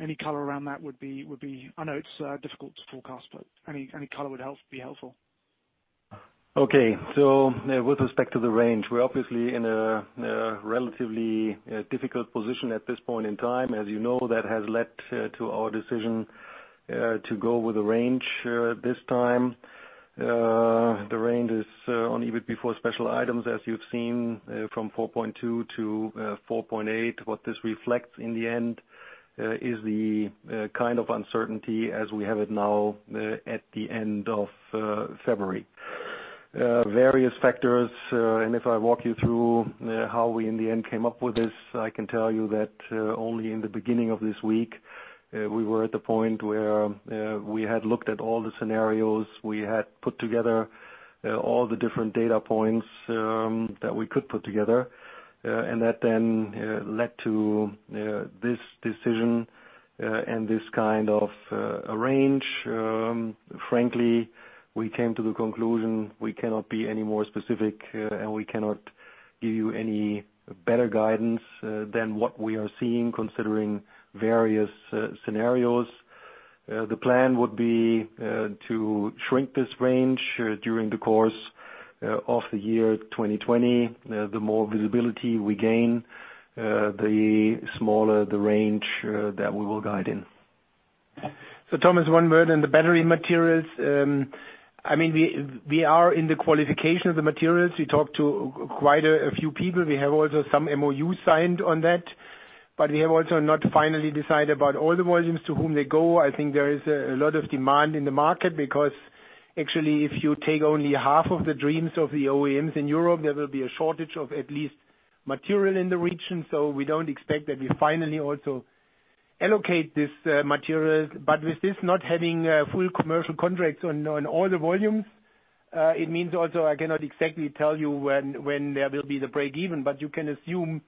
Any color around that would be I know it's difficult to forecast, but any color would be helpful. Okay. With respect to the range, we're obviously in a relatively difficult position at this point in time. As you know, that has led to our decision to go with a range this time. The range is on EBIT before special items, as you've seen, from 4.2-4.8. What this reflects in the end is the kind of uncertainty as we have it now at the end of February. Various factors, if I walk you through how we in the end came up with this, I can tell you that only in the beginning of this week, we were at the point where we had looked at all the scenarios, we had put together all the different data points that we could put together. That led to this decision and this kind of a range. Frankly, we came to the conclusion we cannot be any more specific, and we cannot give you any better guidance than what we are seeing considering various scenarios. The plan would be to shrink this range during the course of the year 2020. The more visibility we gain, the smaller the range that we will guide in. Thomas, one word in the battery materials. We are in the qualification of the materials. We talked to quite a few people. We have also some MOU signed on that. We have also not finally decided about all the volumes to whom they go. I think there is a lot of demand in the market, because actually if you take only half of the dreams of the OEMs in Europe, there will be a shortage of at least material in the region. We don't expect that we finally also allocate these materials. With this not having full commercial contracts on all the volumes, it means also I cannot exactly tell you when there will be the break even. You can assume,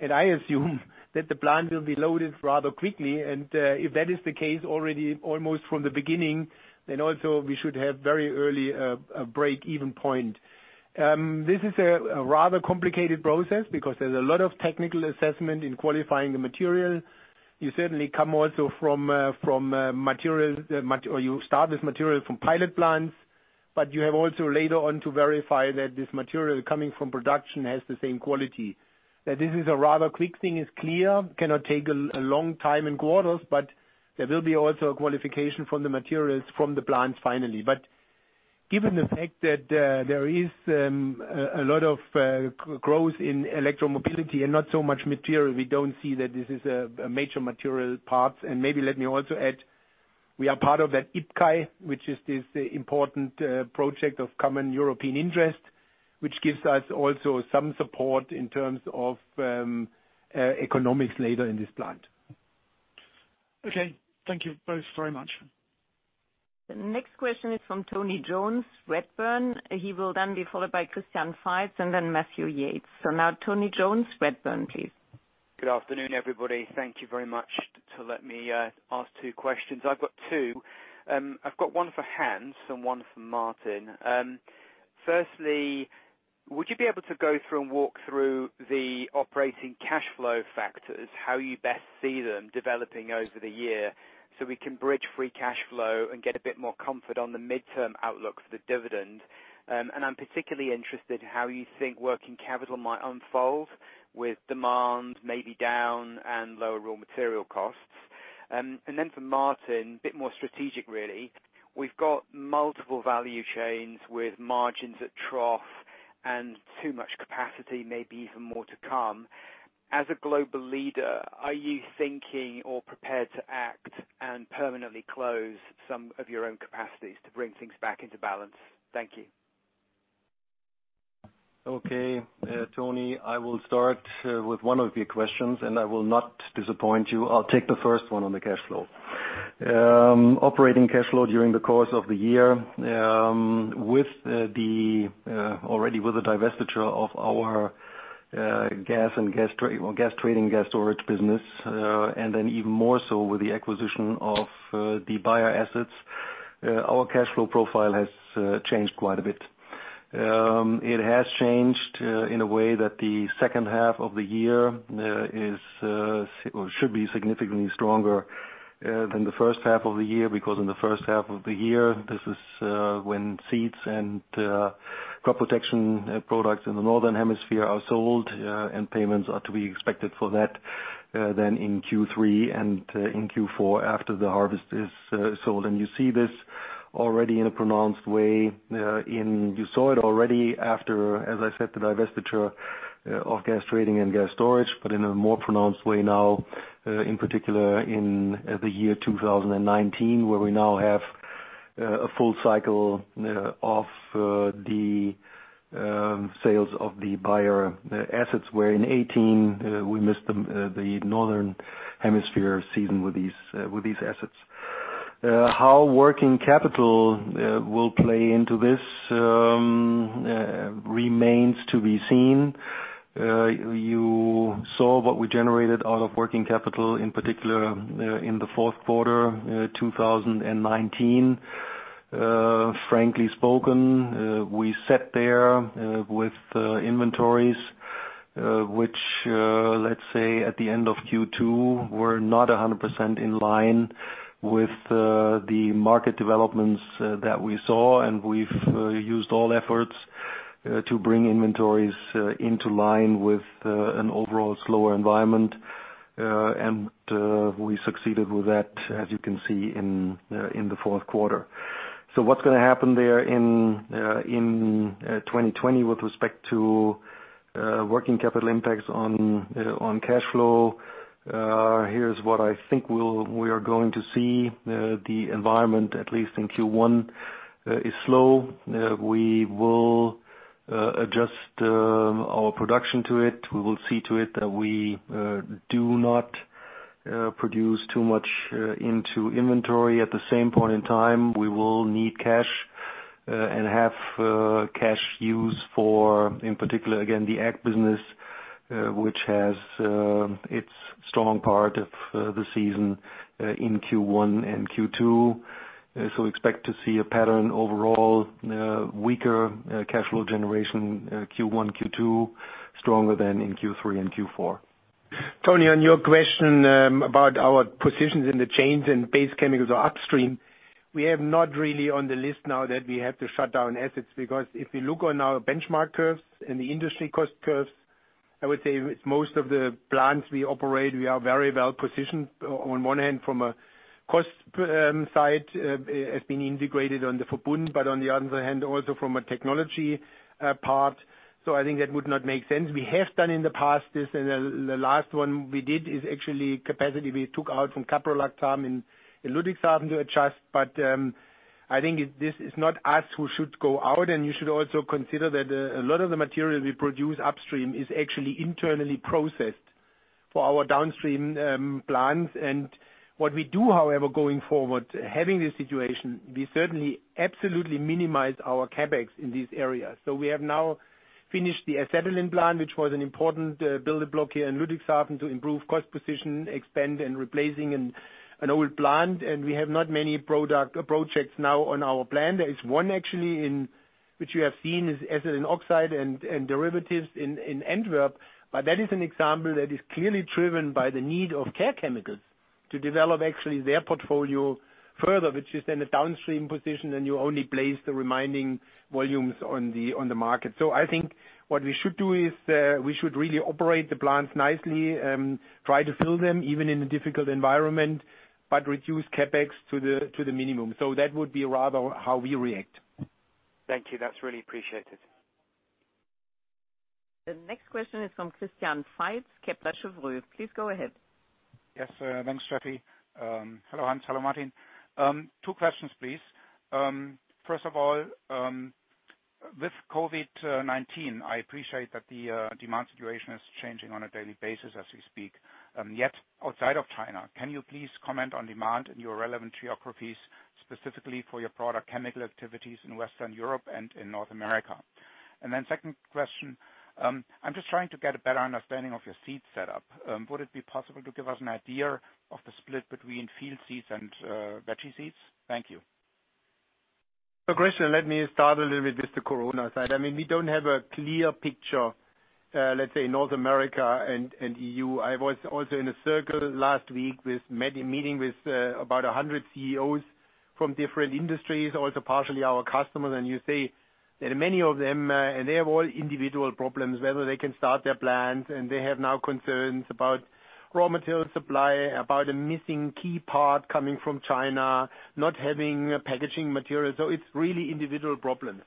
and I assume, that the plant will be loaded rather quickly. If that is the case already almost from the beginning, we should have very early a break-even point. This is a rather complicated process because there's a lot of technical assessment in qualifying the material. You certainly come also from materials, or you start with material from pilot plants, you have also later on to verify that this material coming from production has the same quality. That this is a rather quick thing is clear, cannot take a long time in quarters, there will be also a qualification from the materials from the plants finally. Given the fact that there is a lot of growth in electro mobility and not so much material, we don't see that this is a major material part. Maybe let me also add, we are part of that IPCEI, which is this important project of common European interest, which gives us also some support in terms of economics later in this plant. Okay. Thank you both very much. The next question is from Tony Jones, Redburn. He will then be followed by Christian Faitz and then Matthew Yates. Now Tony Jones, Redburn, please. Good afternoon, everybody. Thank you very much to let me ask two questions. I've got two. I've got one for Hans and one for Martin. Would you be able to go through and walk through the operating cash flow factors, how you best see them developing over the year so we can bridge free cash flow and get a bit more comfort on the midterm outlook for the dividend? I'm particularly interested how you think working capital might unfold with demand maybe down and lower raw material costs. For Martin, a bit more strategic, really. We've got multiple value chains with margins at trough and too much capacity, maybe even more to come. As a global leader, are you thinking or prepared to act and permanently close some of your own capacities to bring things back into balance? Thank you. Okay, Tony. I will start with one of your questions, and I will not disappoint you. I'll take the first one on the cash flow. Operating cash flow during the course of the year, already with the divestiture of our gas trading, gas storage business, and then even more so with the acquisition of the Bayer assets, our cash flow profile has changed quite a bit. It has changed in a way that the second half of the year should be significantly stronger than the first half of the year, because in the first half of the year, this is when seeds and crop protection products in the Northern Hemisphere are sold, and payments are to be expected for that than in Q3 and in Q4 after the harvest is sold. You see this already in a pronounced way. You saw it already after, as I said, the divestiture of gas trading and gas storage, but in a more pronounced way now, in particular in the year 2019, where we now have a full cycle of the sales of the Bayer assets, where in 2018, we missed the Northern Hemisphere season with these assets. How working capital will play into this remains to be seen. You saw what we generated out of working capital, in particular, in the fourth quarter 2019. Frankly spoken, we sat there with inventories which, let’s say at the end of Q2, were not 100% in line with the market developments that we saw, and we’ve used all efforts to bring inventories into line with an overall slower environment. We succeeded with that, as you can see in the fourth quarter. What's going to happen there in 2020 with respect to working capital impacts on cash flow? Here's what I think we are going to see. The environment, at least in Q1, is slow. We will adjust our production to it. We will see to it that we do not produce too much into inventory. At the same point in time, we will need cash and have cash use for, in particular, again, the Ag business, which has its strong part of the season in Q1 and Q2. Expect to see a pattern overall weaker cash flow generation Q1, Q2, stronger than in Q3 and Q4. Tony, on your question about our positions in the chains and base chemicals or upstream, we have not really on the list now that we have to shut down assets, because if we look on our benchmark curves and the industry cost curves, I would say with most of the plants we operate, we are very well-positioned. On one hand, from a cost side, have been integrated on the, on the other hand, also from a technology part. I think that would not make sense. We have done in the past this, the last one we did is actually capacity we took out from caprolactam in Ludwigshafen to adjust. I think this is not us who should go out, you should also consider that a lot of the material we produce upstream is actually internally processed for our downstream plants. What we do, however, going forward, having this situation, we certainly absolutely minimize our CapEx in these areas. We have now finished the acetylene plant, which was an important building block here in Ludwigshafen to improve cost position, expand, and replacing an old plant, and we have not many projects now on our plan. There is one actually, which you have seen is ethylene oxide and derivatives in Antwerp. That is an example that is clearly driven by the need of Care Chemicals to develop actually their portfolio further, which is in a downstream position, and you only place the remaining volumes on the market. I think what we should do is we should really operate the plants nicely, try to fill them even in a difficult environment, but reduce CapEx to the minimum. That would be rather how we react. Thank you. That's really appreciated. The next question is from Christian Faitz, Kepler Cheuvreux. Please go ahead. Yes, thanks, Steffi. Hello, Hans. Hello, Martin. Two questions, please. First of all, with COVID-19, I appreciate that the demand situation is changing on a daily basis as we speak. Outside of China, can you please comment on demand in your relevant geographies, specifically for your product chemical activities in Western Europe and in North America? Second question, I'm just trying to get a better understanding of your seed setup. Would it be possible to give us an idea of the split between field seeds and veggie seeds? Thank you. Christian, let me start a little bit with the corona side. We don't have a clear picture, let's say North America and EU. I was also in a circle last week meeting with about 100 CEOs from different industries, also partially our customers. You see that many of them, and they have all individual problems, whether they can start their plants, and they have now concerns about raw material supply, about a missing key part coming from China, not having packaging materials. It's really individual problems.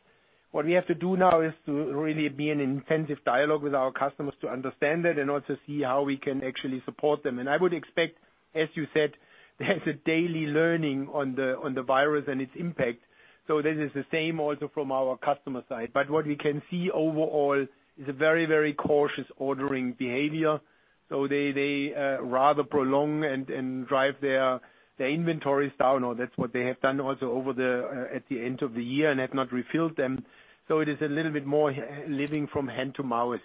What we have to do now is to really be in intensive dialogue with our customers to understand it and also see how we can actually support them. I would expect, as you said, there's a daily learning on the virus and its impact. This is the same also from our customer side. What we can see overall is a very cautious ordering behavior. They rather prolong and drive their inventories down, or that's what they have done also at the end of the year and have not refilled them. It is a little bit more living from hand to mouth.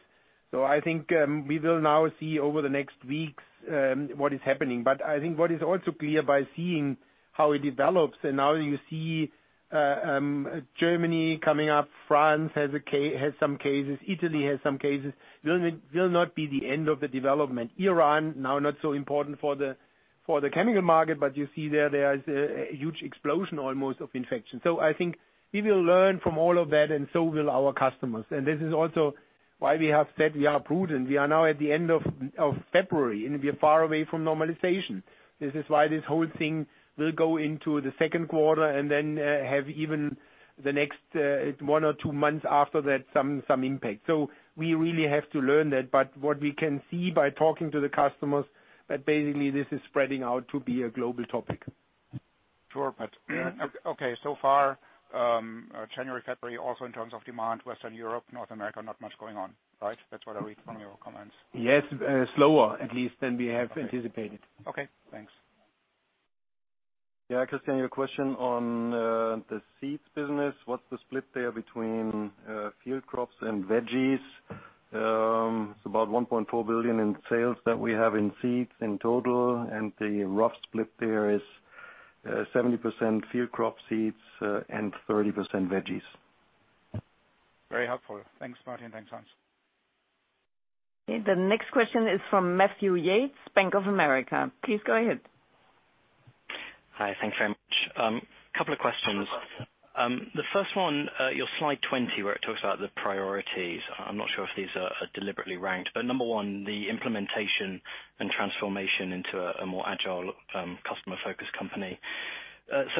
I think we will now see over the next weeks what is happening. I think what is also clear by seeing how it develops, and now you see Germany coming up, France has some cases, Italy has some cases, will not be the end of the development. Iran, now not so important for the chemical market, but you see there there is a huge explosion almost of infection. I think we will learn from all of that and so will our customers. This is also why we have said we are prudent. We are now at the end of February, and we are far away from normalization. This is why this whole thing will go into the second quarter and then have even the next one or two months after that, some impact. We really have to learn that, but what we can see by talking to the customers, that basically this is spreading out to be a global topic. Sure. Okay, so far, January, February, also in terms of demand, Western Europe, North America, not much going on. Right? That's what I read from your comments. Yes. Slower, at least, than we have anticipated. Okay, thanks. Yeah, Christian, your question on the seeds business, what's the split there between field crops and veggies? It's about 1.4 billion in sales that we have in seeds in total, and the rough split there is 70% field crop seeds and 30% veggies. Very helpful. Thanks, Martin. Thanks, Hans. The next question is from Matthew Yates, Bank of America. Please go ahead. Hi. Thanks very much. Couple of questions. The first one, your slide 20 where it talks about the priorities. I am not sure if these are deliberately ranked, but number one, the implementation and transformation into a more agile, customer-focused company.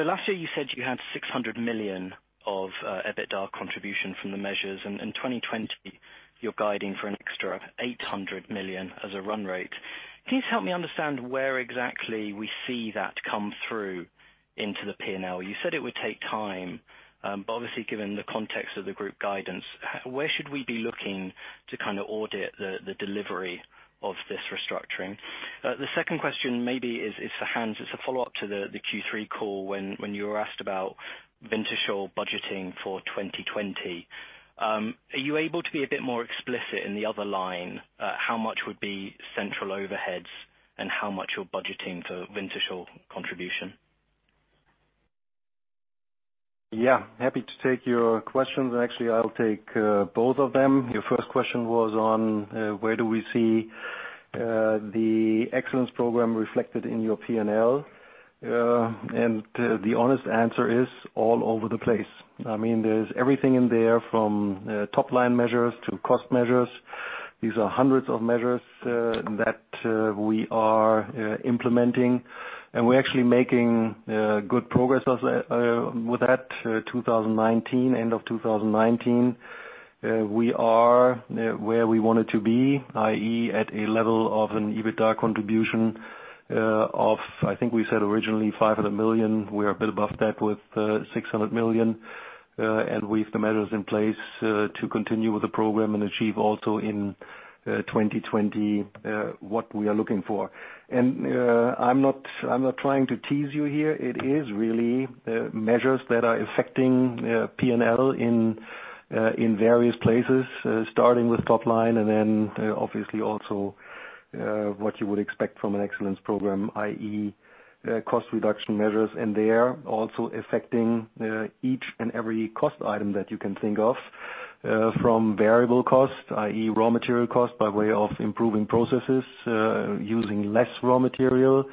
Last year, you said you had 600 million of EBITDA contribution from the measures, and in 2020 you are guiding for an extra 800 million as a run rate. Can you help me understand where exactly we see that come through into the P&L? You said it would take time, but obviously given the context of the group guidance, where should we be looking to kind of audit the delivery of this restructuring? The second question maybe is for Hans. It is a follow-up to the Q3 call when you were asked about Wintershall budgeting for 2020. Are you able to be a bit more explicit in the other line? How much would be central overheads and how much you're budgeting for Wintershall contribution? Yeah. Happy to take your questions. Actually, I'll take both of them. Your first question was on where do we see the excellence program reflected in your P&L. The honest answer is all over the place. There's everything in there from top-line measures to cost measures. These are hundreds of measures that we are implementing, and we're actually making good progress with that. 2019, end of 2019, we are where we wanted to be, i.e., at a level of an EBITDA contribution of, I think we said originally 500 million. We are a bit above that with 600 million. With the measures in place to continue with the program and achieve also in 2020 what we are looking for. I'm not trying to tease you here. It is really measures that are affecting P&L in various places, starting with top line and then obviously also what you would expect from an excellence program, i.e., cost reduction measures. They are also affecting each and every cost item that you can think of, from variable cost, i.e., raw material cost by way of improving processes, using less raw material,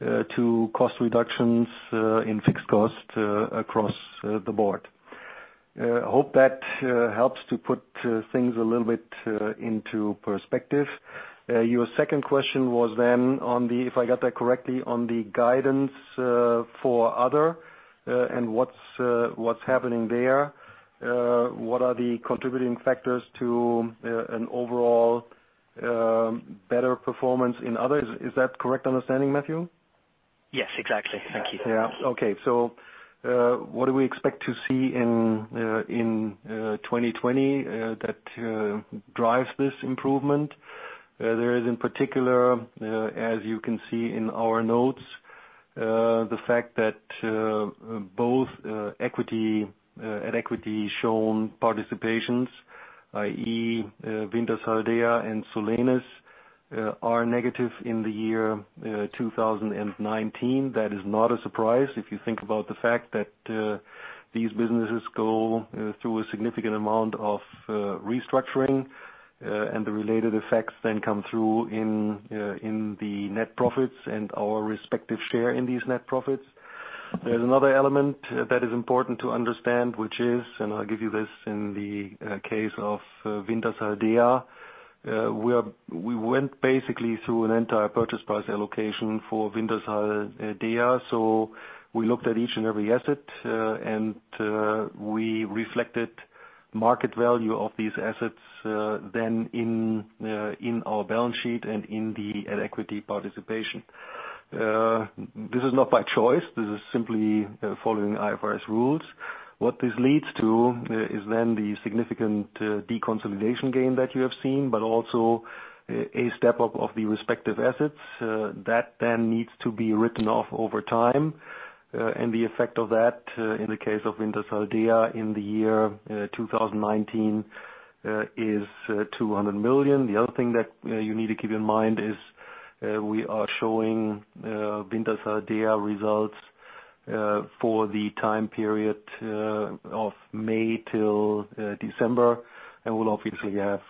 to cost reductions in fixed cost across the board. I hope that helps to put things a little bit into perspective. Your second question was then on the, if I got that correctly, on the guidance for other and what's happening there, what are the contributing factors to an overall better performance in others. Is that correct understanding, Matthew? Yes, exactly. Thank you. Okay. What do we expect to see in 2020 that drives this improvement? There is, in particular, as you can see in our notes, the fact that both at equity shown participations, i.e., Wintershall Dea and Solenis, are negative in the year 2019. That is not a surprise if you think about the fact that these businesses go through a significant amount of restructuring, and the related effects then come through in the net profits and our respective share in these net profits. There's another element that is important to understand, which is, and I'll give you this in the case of Wintershall Dea, we went basically through an entire purchase price allocation for Wintershall Dea. We looked at each and every asset, and we reflected market value of these assets then in our balance sheet and in the equity participation. This is not by choice. This is simply following IFRS rules. What this leads to is then the significant deconsolidation gain that you have seen, but also a step-up of the respective assets that then needs to be written off over time. The effect of that in the case of Wintershall Dea in the year 2019 is 200 million. The other thing that you need to keep in mind is we are showing Wintershall Dea results for the time period of May till December, and we'll obviously have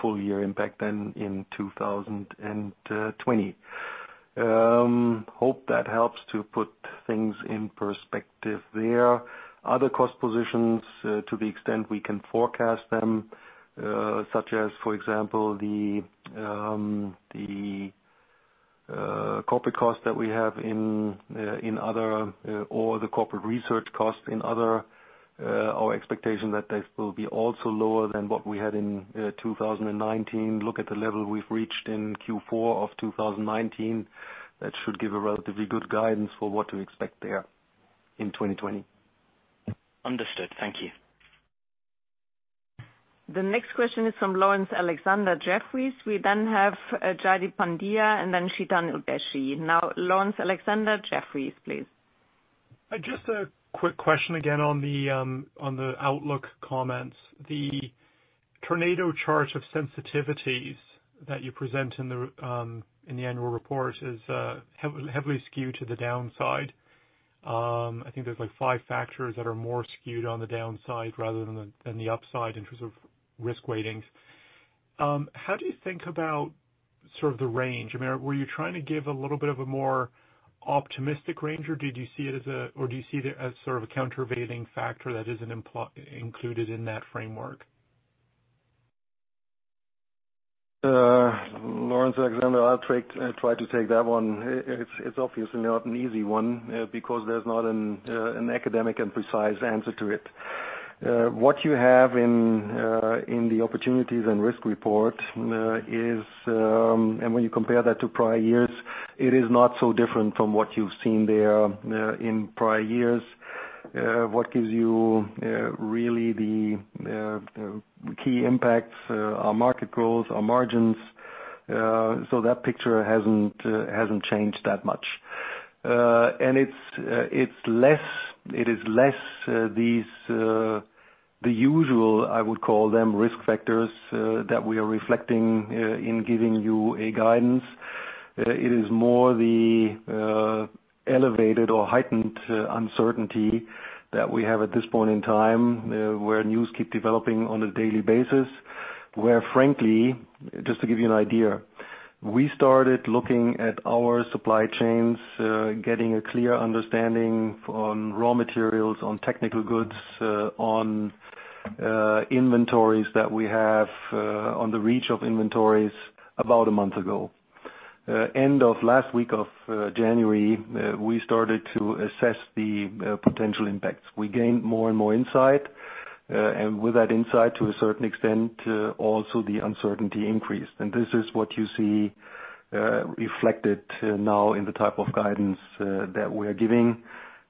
full-year impact then in 2020. Hope that helps to put things in perspective there. Other cost positions to the extent we can forecast them, such as, for example, the corporate cost that we have in other, or the corporate research costs in other, our expectation that they will be also lower than what we had in 2019. Look at the level we've reached in Q4 of 2019. That should give a relatively good guidance for what to expect there in 2020. Understood. Thank you. The next question is from Laurence Alexander, Jefferies. We then have Jaideep Pandya, and then Chetan Udeshi. Laurence Alexander, Jefferies, please. Just a quick question again on the outlook comments. The tornado chart of sensitivities that you present in the annual report is heavily skewed to the downside. I think there's five factors that are more skewed on the downside rather than the upside in terms of risk weightings. How do you think about the range? Were you trying to give a little bit of a more optimistic range, or do you see it as a countervailing factor that isn't included in that framework? Laurence Alexander, I'll try to take that one. It's obviously not an easy one, because there's not an academic and precise answer to it. What you have in the opportunities and risk report is, and when you compare that to prior years, it is not so different from what you've seen there in prior years. What gives you really the key impacts are market growth or margins. That picture hasn't changed that much. It's less the usual, I would call them, risk factors that we are reflecting in giving you a guidance. It is more the elevated or heightened uncertainty that we have at this point in time, where news keep developing on a daily basis. Where frankly, just to give you an idea, we started looking at our supply chains, getting a clear understanding on raw materials, on technical goods, on inventories that we have, on the reach of inventories about a month ago. End of last week of January, we started to assess the potential impacts. We gained more and more insight, and with that insight, to a certain extent, also the uncertainty increased. This is what you see reflected now in the type of guidance that we are giving.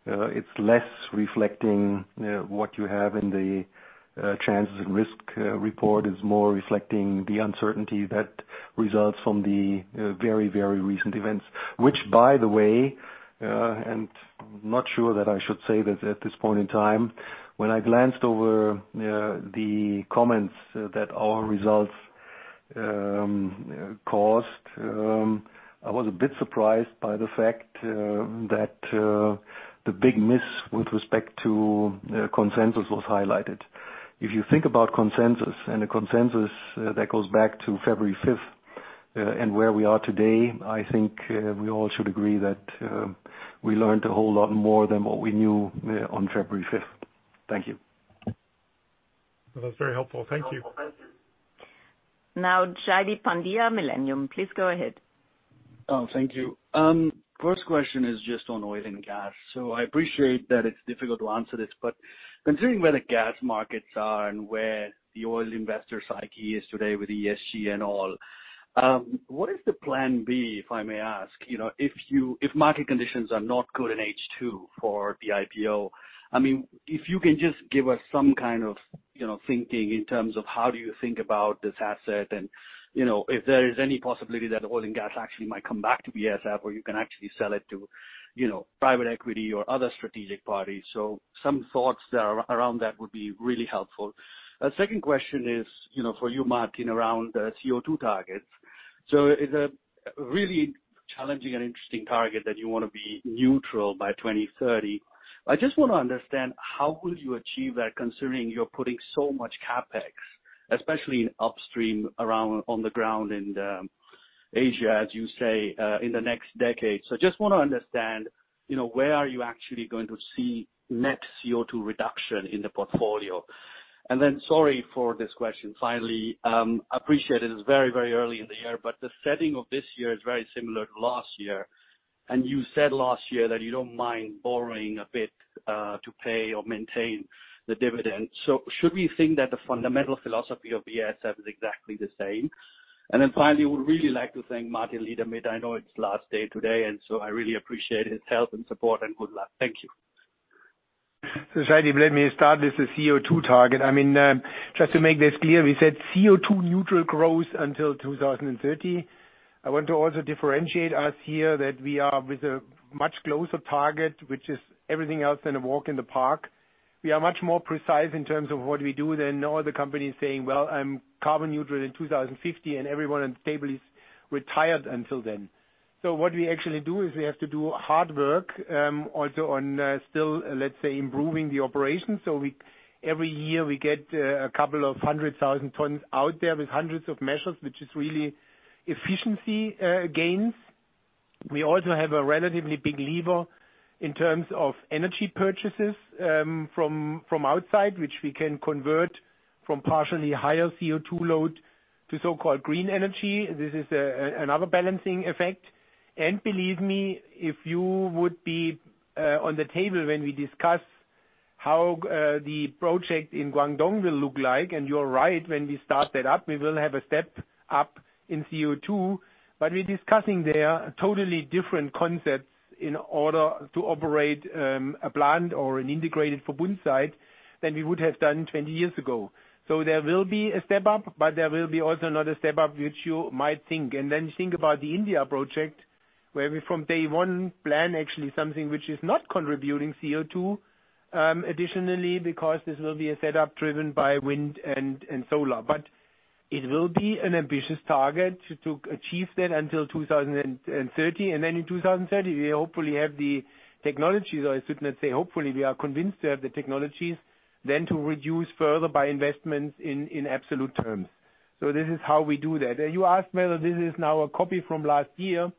It's less reflecting what you have in the chances and risk report. It's more reflecting the uncertainty that results from the very recent events. Which, by the way, not sure that I should say this at this point in time, when I glanced over the comments that our results caused, I was a bit surprised by the fact that the big miss with respect to consensus was highlighted. If you think about consensus and the consensus that goes back to February 5th and where we are today, I think we all should agree that we learned a whole lot more than what we knew on February 5th. Thank you. That's very helpful. Thank you. Jaideep Pandya, Millennium. Please go ahead. Thank you. First question is just on oil and gas. I appreciate that it's difficult to answer this, but considering where the gas markets are and where the oil investor psyche is today with ESG and all, what is the plan B, if I may ask? If market conditions are not good in H2 for the IPO, if you can just give us some kind of thinking in terms of how do you think about this asset and if there is any possibility that oil and gas actually might come back to BASF, or you can actually sell it to private equity or other strategic parties. Some thoughts around that would be really helpful. A second question is for you, Martin, around CO2 targets. It's a really challenging and interesting target that you want to be neutral by 2030. I just want to understand how will you achieve that, considering you're putting so much CapEx, especially in upstream around on the ground in Asia, as you say, in the next decade. Just want to understand where are you actually going to see net CO2 reduction in the portfolio? Then, sorry for this question, finally, appreciate it is very early in the year, but the setting of this year is very similar to last year, and you said last year that you don't mind borrowing a bit to pay or maintain the dividend. Should we think that the fundamental philosophy of BASF is exactly the same? Then finally, would really like to thank Martin Liedemit. I know it's his last day today, and so I really appreciate his help and support and good luck. Thank you. Jaideep, let me start with the CO2 target. Just to make this clear, we said CO2 neutral growth until 2030. I want to also differentiate us here that we are with a much closer target, which is everything else than a walk in the park. We are much more precise in terms of what we do than no other company saying, "Well, I'm carbon neutral in 2050," and everyone at the table is retired until then. What we actually do is we have to do hard work, also on still, let's say, improving the operation. Every year we get a couple of 100,000 tons out there with hundreds of measures, which is really efficiency gains. We also have a relatively big lever in terms of energy purchases from outside, which we can convert from partially higher CO2 load to so-called green energy. This is another balancing effect. Believe me, if you would be on the table when we discuss. How the project in Guangdong will look like, and you're right, when we start that up, we will have a step up in CO2. We're discussing there totally different concepts in order to operate a plant or an integrated site than we would have done 20 years ago. There will be a step up, but there will be also not a step up, which you might think. You think about the India project, where we from day one plan actually something which is not contributing CO2. Additionally, because this will be a setup driven by wind and solar. It will be an ambitious target to achieve that until 2030. In 2030, we hopefully have the technologies, or I shouldn't say hopefully, we are convinced to have the technologies then to reduce further by investments in absolute terms. This is how we do that. You asked me that this is now a copy from last year.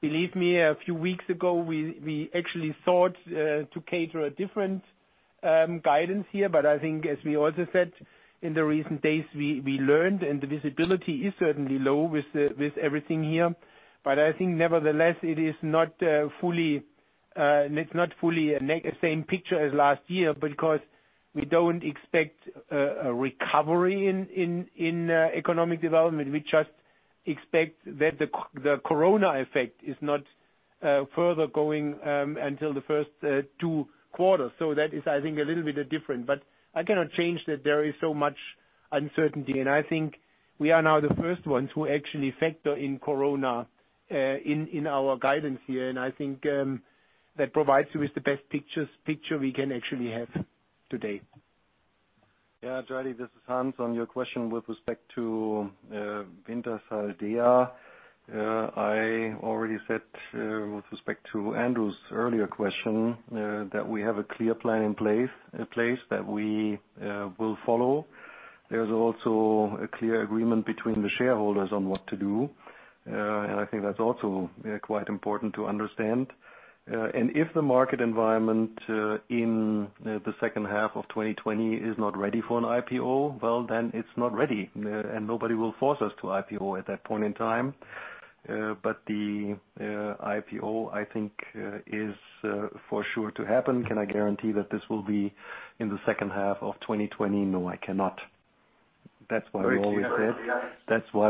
Believe me, a few weeks ago, we actually thought to cater a different guidance here. I think as we also said in the recent days, we learned, and the visibility is certainly low with everything here. I think nevertheless, it's not fully the same picture as last year because we don't expect a recovery in economic development. We just expect that the COVID effect is not further going until the first two quarters. That is, I think, a little bit different. I cannot change that there is so much uncertainty, and I think we are now the first ones who actually factor in COVID in our guidance here. I think that provides you with the best picture we can actually have today. Yeah, Jaideep this is Hans. On your question with respect to Wintershall Dea. I already said, with respect to Andrew's earlier question, that we have a clear plan in place that we will follow. There's also a clear agreement between the shareholders on what to do. I think that's also quite important to understand. If the market environment in the second half of 2020 is not ready for an IPO, well, then it's not ready, and nobody will force us to IPO at that point in time. The IPO, I think, is for sure to happen. Can I guarantee that this will be in the second half of 2020? No, I cannot. That's why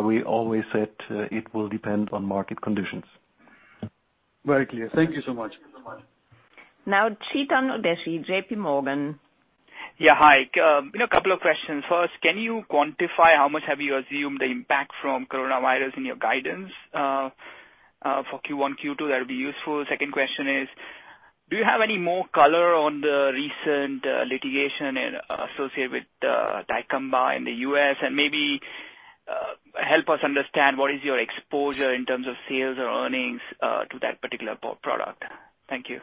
we always said it will depend on market conditions. Very clear. Thank you so much. Now, Chetan Udeshi, JPMorgan. Yeah, hi. A couple of questions. First, can you quantify how much have you assumed the impact from coronavirus in your guidance for Q1, Q2? That would be useful. Second question is, do you have any more color on the recent litigation associated with Dicamba in the U.S.? Maybe help us understand what is your exposure in terms of sales or earnings to that particular product. Thank you.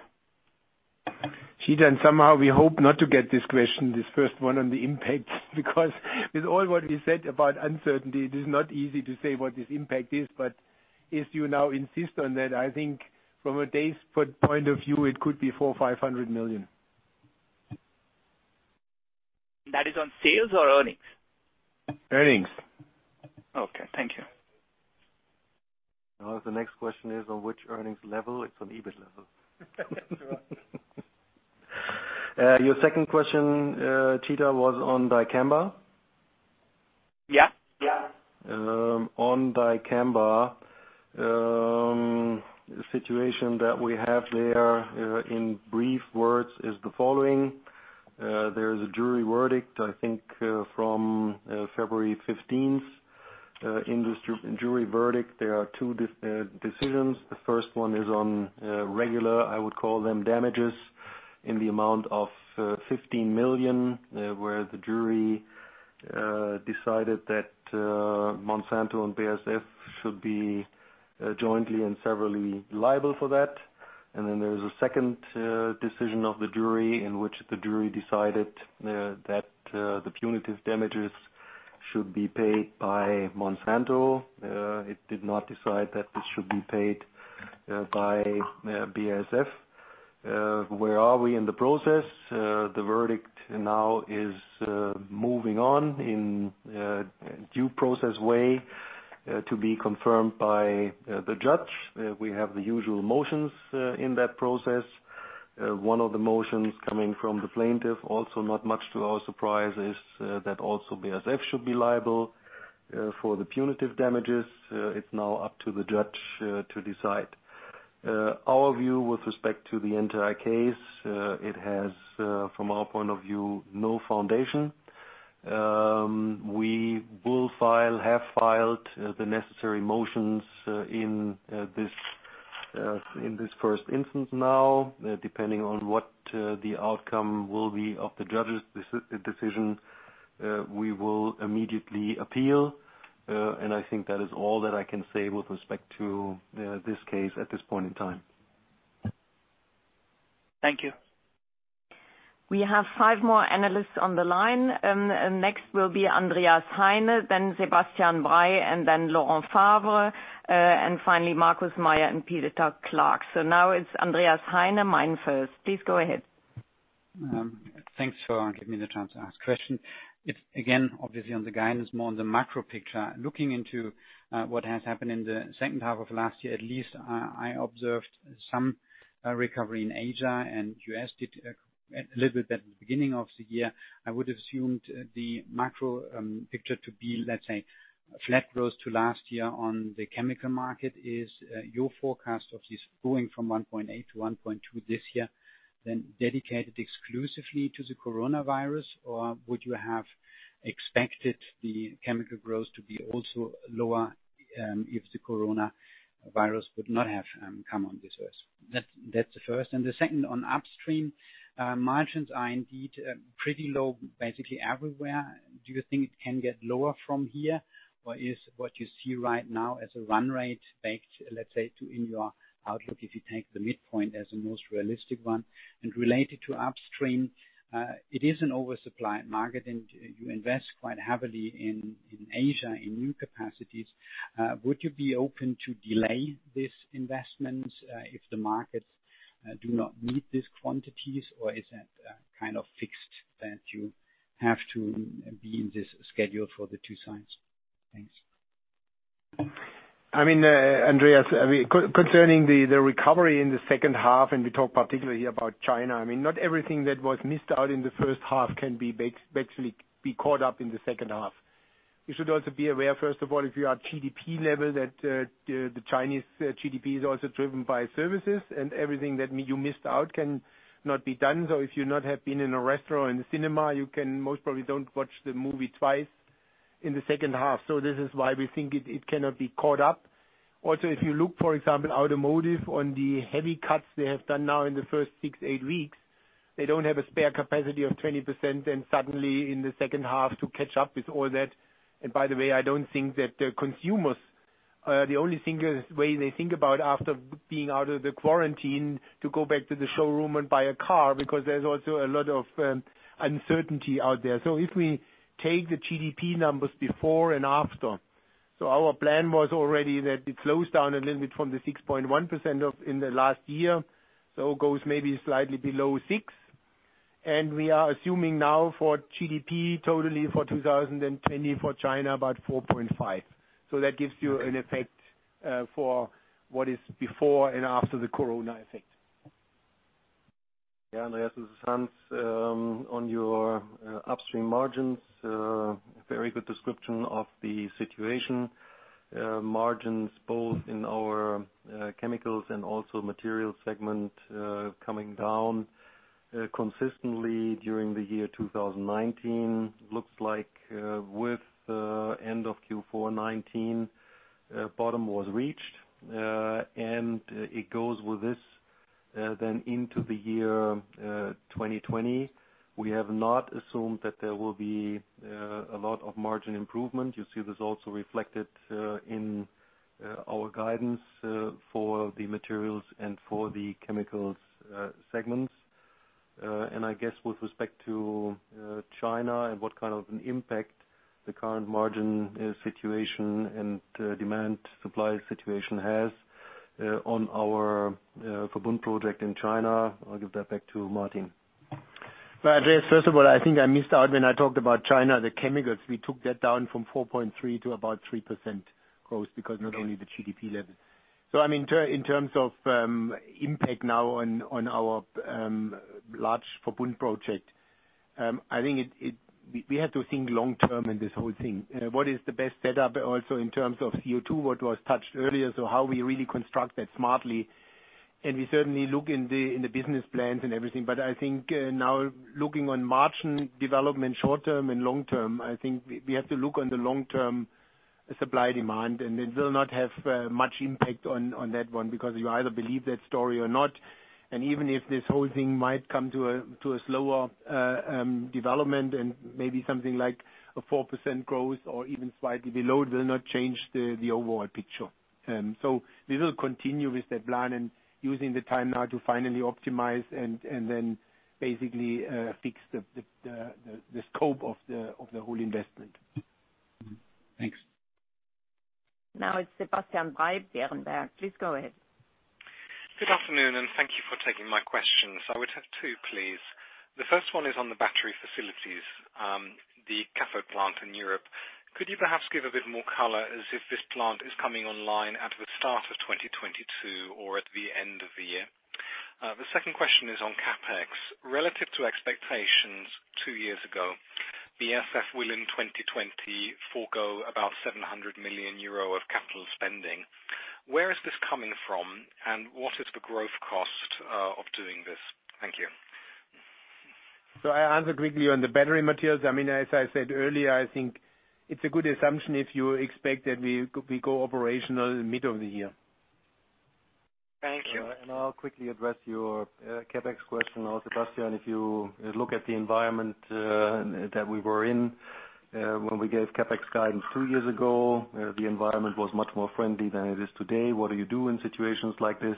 Chetan, somehow we hope not to get this question, this first one on the impact, because with all what we said about uncertainty, it is not easy to say what this impact is. If you now insist on that, I think from a day's point of view, it could be 400 million-500 million. That is on sales or earnings? Earnings. Okay. Thank you. Now, if the next question is on which earnings level, it's on EBIT level. Your second question, Chetan, was on Dicamba? Yeah. On Dicamba, the situation that we have there, in brief words is the following. There is a jury verdict, I think from February 15th. In this jury verdict, there are two decisions. The first one is on regular, I would call them damages, in the amount of 15 million, where the jury decided that Monsanto and BASF should be jointly and severally liable for that. Then there is a second decision of the jury in which the jury decided that the punitive damages should be paid by Monsanto. It did not decide that it should be paid by BASF. Where are we in the process? The verdict now is moving on in due process way to be confirmed by the judge. We have the usual motions in that process. One of the motions coming from the plaintiff, also not much to our surprise, is that also BASF should be liable for the punitive damages. It is now up to the judge to decide. Our view with respect to the entire case, it has, from our point of view, no foundation. We have filed the necessary motions in this first instance now. Depending on what the outcome will be of the judge's decision, we will immediately appeal. I think that is all that I can say with respect to this case at this point in time. Thank you. We have five more analysts on the line. Next will be Andreas Heine, then Sebastian Bray, and then Laurent Favre, and finally Markus Mayer and Peter Clark. Now it's Andreas Heine, MainFirst. Please go ahead. Thanks for giving me the chance to ask question. Obviously, on the guidance more on the macro picture. Looking into what has happened in the second half of last year, at least I observed some recovery in Asia and U.S. did a little bit at the beginning of the year. I would assumed the macro picture to be, let's say, flat growth to last year on the chemical market. Is your forecast of this going from 1.8-1.2 this year, dedicated exclusively to the coronavirus? Would you have expected the chemical growth to be also lower if the coronavirus would not have come on this earth? That's the first. The second, on upstream, margins are indeed pretty low, basically everywhere. Do you think it can get lower from here? Is what you see right now as a run rate back, let's say, to in your outlook, if you take the midpoint as the most realistic one? Related to upstream, it is an oversupply market, and you invest quite heavily in Asia in new capacities. Would you be open to delay this investment, if the markets do not meet these quantities? Is that kind of fixed that you have to be in this schedule for the two sides? Thanks. Andreas, concerning the recovery in the second half, we talk particularly about China. Not everything that was missed out in the first half can actually be caught up in the second half. You should also be aware, first of all, if you are at GDP level, that the Chinese GDP is also driven by services, everything that you missed out cannot be done. If you not have been in a restaurant, in the cinema, you can most probably don't watch the movie twice in the second half. This is why we think it cannot be caught up. If you look, for example, automotive on the heavy cuts they have done now in the first six, eight weeks, they don't have a spare capacity of 20% then suddenly in the second half to catch up with all that. By the way, I don't think that the consumers, the only way they think about after being out of the quarantine, to go back to the showroom and buy a car, because there's also a lot of uncertainty out there. If we take the GDP numbers before and after, our plan was already that it slows down a little bit from the 6.1% in the last year, goes maybe slightly below six. We are assuming now for GDP totally for 2020 for China, about 4.5%. That gives you an effect for what is before and after the COVID-19 effect. Yeah, Andreas, this is Hans. On your upstream margins, very good description of the situation. Margins both in our Chemicals and also Materials segment, coming down consistently during the year 2019. Looks like with end of Q4 2019, bottom was reached, it goes with this then into the year 2020. We have not assumed that there will be a lot of margin improvement. You see this also reflected in our guidance for the Materials and for the Chemicals segments. I guess with respect to China and what kind of an impact the current margin situation and demand supply situation has on our Verbund project in China, I'll give that back to Martin. Andreas, first of all, I think I missed out when I talked about China, the chemicals. We took that down from 4.3% to about 3% growth because not only the GDP level. In terms of impact now on our large Verbund project, I think we have to think long-term in this whole thing. What is the best setup also in terms of CO2, what was touched earlier, so how we really construct that smartly. We certainly look in the business plans and everything, but I think now looking on margin development short-term and long-term, I think we have to look on the long-term supply demand, and it will not have much impact on that one, because you either believe that story or not. Even if this whole thing might come to a slower development and maybe something like a 4% growth or even slightly below, it will not change the overall picture. We will continue with that plan and using the time now to finally optimize and then basically fix the scope of the whole investment. Thanks. Now it's Sebastian Bray, Berenberg Please go ahead. Good afternoon, and thank you for taking my questions. I would have two, please. The first one is on the battery facilities, the cathode plant in Europe. Could you perhaps give a bit more color as if this plant is coming online at the start of 2022 or at the end of the year? The second question is on CapEx. Relative to expectations two years ago, BASF will, in 2020, forego about 700 million euro of capital spending. Where is this coming from, and what is the growth cost of doing this? Thank you. I answer quickly on the battery materials. As I said earlier, I think it's a good assumption if you expect that we go operational mid of the year. Thank you. I'll quickly address your CapEx question also, Sebastian. If you look at the environment that we were in when we gave CapEx guidance three years ago, the environment was much more friendly than it is today. What do you do in situations like this?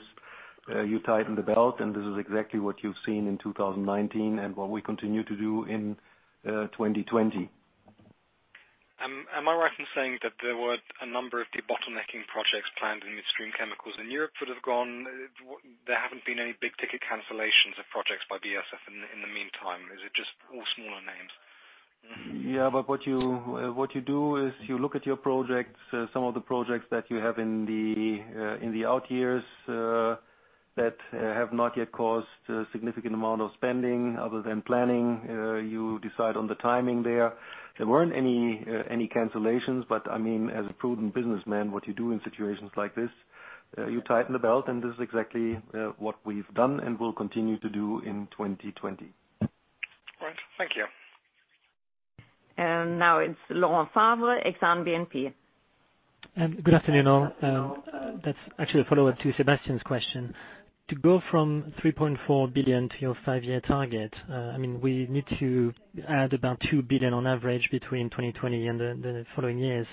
You tighten the belt, this is exactly what you've seen in 2019 and what we continue to do in 2020. Am I right in saying that there were a number of de-bottlenecking projects planned in between chemicals in Europe that have gone? There haven't been any big-ticket cancellations of projects by BASF in the meantime. Is it just all smaller names? Yeah, what you do is you look at your projects, some of the projects that you have in the out years, that have not yet caused a significant amount of spending other than planning. You decide on the timing there. There weren't any cancellations, but as a prudent businessman, what you do in situations like this, you tighten the belt, and this is exactly what we've done and will continue to do in 2020. Right. Thank you. Now it's Laurent Favre, Exane BNP. Good afternoon all. That's actually a follow-up to Sebastian's question. To go from 3.4 billion to your five-year target, we need to add about 2 billion on average between 2020 and the following years.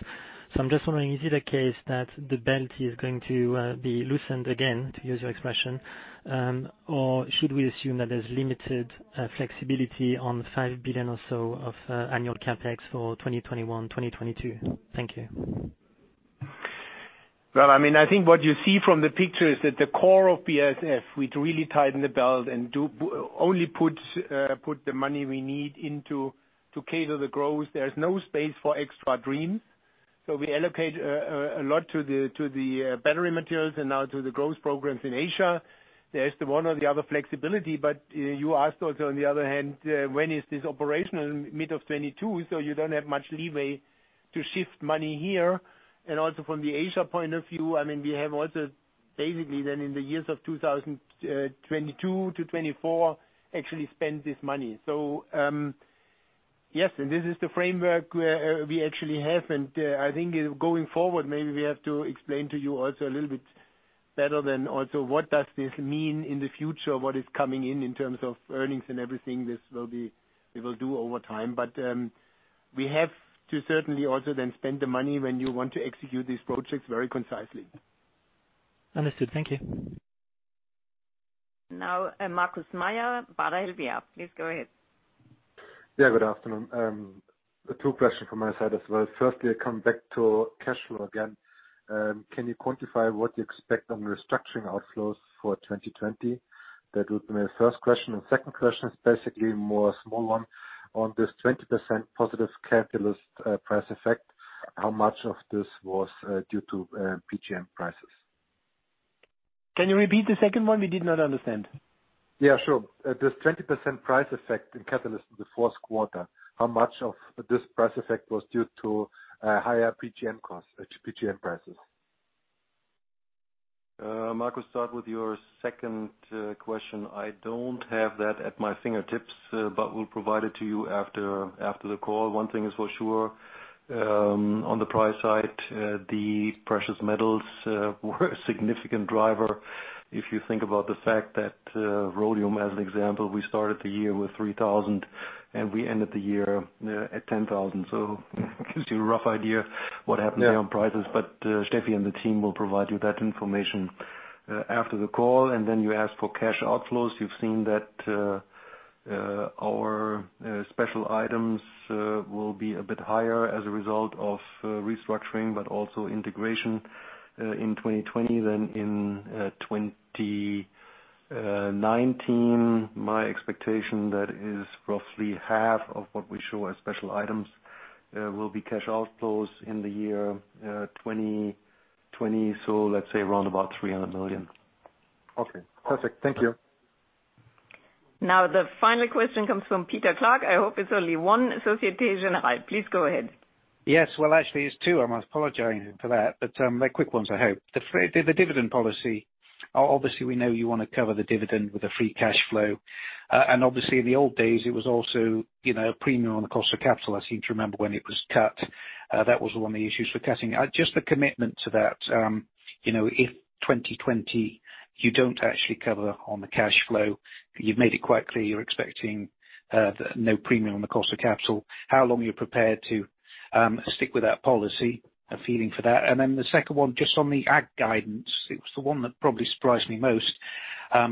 I'm just wondering, is it a case that the belt is going to be loosened again, to use your expression? Should we assume that there's limited flexibility on 5 billion or so of annual CapEx for 2021, 2022? Thank you. Well, I think what you see from the picture is that the core of BASF, we'd really tighten the belt and only put the money we need in to cater the growth. There's no space for extra dreams. We allocate a lot to the battery materials and now to the growth programs in Asia. There is the one or the other flexibility, you asked also on the other hand, when is this operational? Mid of 2022, you don't have much leeway to shift money here. Also from the Asia point of view, we have also basically then in the years of 2022-2024, actually spend this money. Yes, this is the framework we actually have, I think going forward, maybe we have to explain to you also a little bit better then also what does this mean in the future? What is coming in in terms of earnings and everything? This we will do over time. We have to certainly also then spend the money when you want to execute these projects very concisely. Understood. Thank you. Markus Mayer, Baader Helvea. Please go ahead. Yeah, good afternoon. Two questions from my side as well. Firstly, I come back to cash flow again. Can you quantify what you expect on restructuring outflows for 2020? That would be my first question. Second question is basically more a small one. On this 20% positive catalyst price effect, how much of this was due to PGM prices? Can you repeat the second one? We did not understand. Yeah, sure. This 20% price effect in catalyst in the fourth quarter, how much of this price effect was due to higher PGM costs, PGM prices? Markus, start with your second question. I don't have that at my fingertips, but we'll provide it to you after the call. One thing is for sure, on the price side, the precious metals were a significant driver. If you think about the fact that rhodium, as an example, we started the year with 3,000, and we ended the year at 10,000. Gives you a rough idea what happened there on prices. Steffi and the team will provide you that information after the call. Then you ask for cash outflows. You've seen that our special items will be a bit higher as a result of restructuring, but also integration, in 2020 than in 2019. My expectation, that is roughly half of what we show as special items will be cash outflows in the year 2020. Let's say around about 300 million. Okay, perfect. Thank you. Now the final question comes from Peter Clark. I hope it's only one, Société Générale. Please go ahead. Yes, well, actually it's two. I must apologize for that, but they're quick ones I hope. The dividend policy, obviously we know you want to cover the dividend with a free cash flow. Obviously in the old days it was also premium on the cost of capital. I seem to remember when it was cut, that was one of the issues for cutting. Just a commitment to that, if 2020 you don't actually cover on the cash flow, you've made it quite clear you're expecting no premium on the cost of capital. How long are you prepared to stick with that policy? A feeling for that. Then the second one, just on the ag guidance, it was the one that probably surprised me most,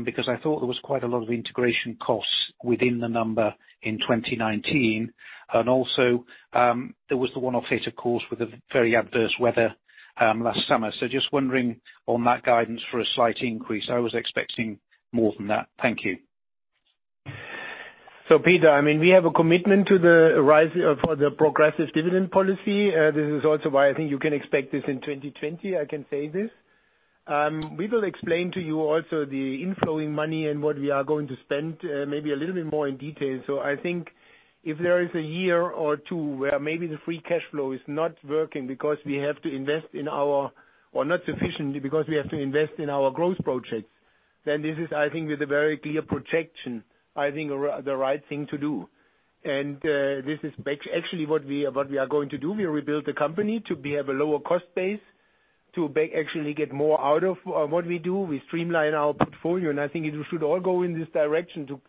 because I thought there was quite a lot of integration costs within the number in 2019. Also, there was the one-off hit of course with the very adverse weather last summer. Just wondering on that guidance for a slight increase. I was expecting more than that. Thank you. Peter, we have a commitment for the progressive dividend policy. This is also why I think you can expect this in 2020, I can say this. We will explain to you also the inflowing money and what we are going to spend, maybe a little bit more in detail. I think if there is a year or two where maybe the free cash flow is not working, or not sufficiently, because we have to invest in our growth projects, then this is, I think with a very clear projection, I think the right thing to do. This is actually what we are going to do. We rebuild the company to have a lower cost base, to actually get more out of what we do. We streamline our portfolio, I think it should all go in this direction to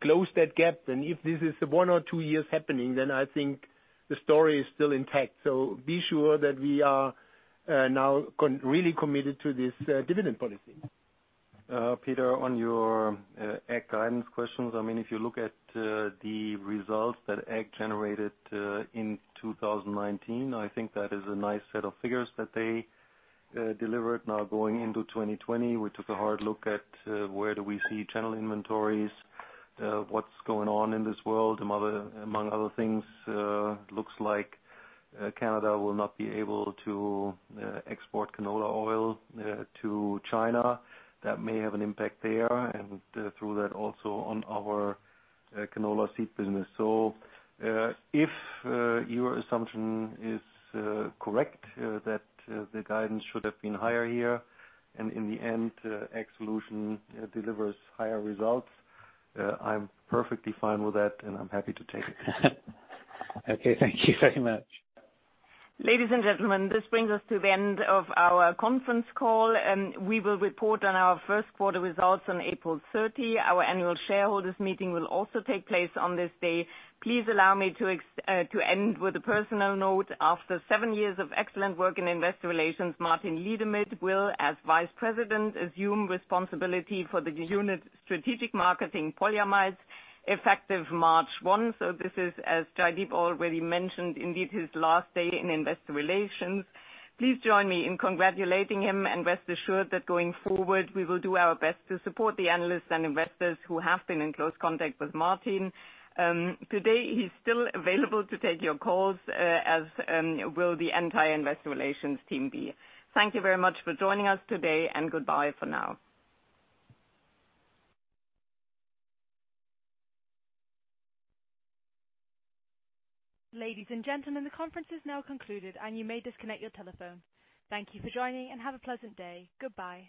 close that gap. If this is one or two years happening, then I think the story is still intact. Be sure that we are now really committed to this dividend policy. Peter, on your ag guidance questions, if you look at the results that ag generated in 2019, I think that is a nice set of figures that they delivered. Going into 2020, we took a hard look at where do we see channel inventories, what's going on in this world. Among other things, looks like Canada will not be able to export canola oil to China. That may have an impact there, and through that, also on our canola seed business. If your assumption is correct, that the guidance should have been higher here, and in the end, ag solution delivers higher results, I'm perfectly fine with that, and I'm happy to take it. Okay, thank you very much. Ladies and gentlemen, this brings us to the end of our conference call, and we will report on our first quarter results on April 30. Our annual shareholders meeting will also take place on this day. Please allow me to end with a personal note. After seven years of excellent work in investor relations, Martin Liedemit will, as vice president, assume responsibility for the unit strategic marketing polyamides effective March 1. This is, as Jaideep already mentioned, indeed his last day in investor relations. Please join me in congratulating him and rest assured that going forward, we will do our best to support the analysts and investors who have been in close contact with Martin. Today, he's still available to take your calls, as will the entire investor relations team be. Thank you very much for joining us today, and goodbye for now. Ladies and gentlemen, the conference is now concluded. You may disconnect your telephone. Thank you for joining. Have a pleasant day. Goodbye.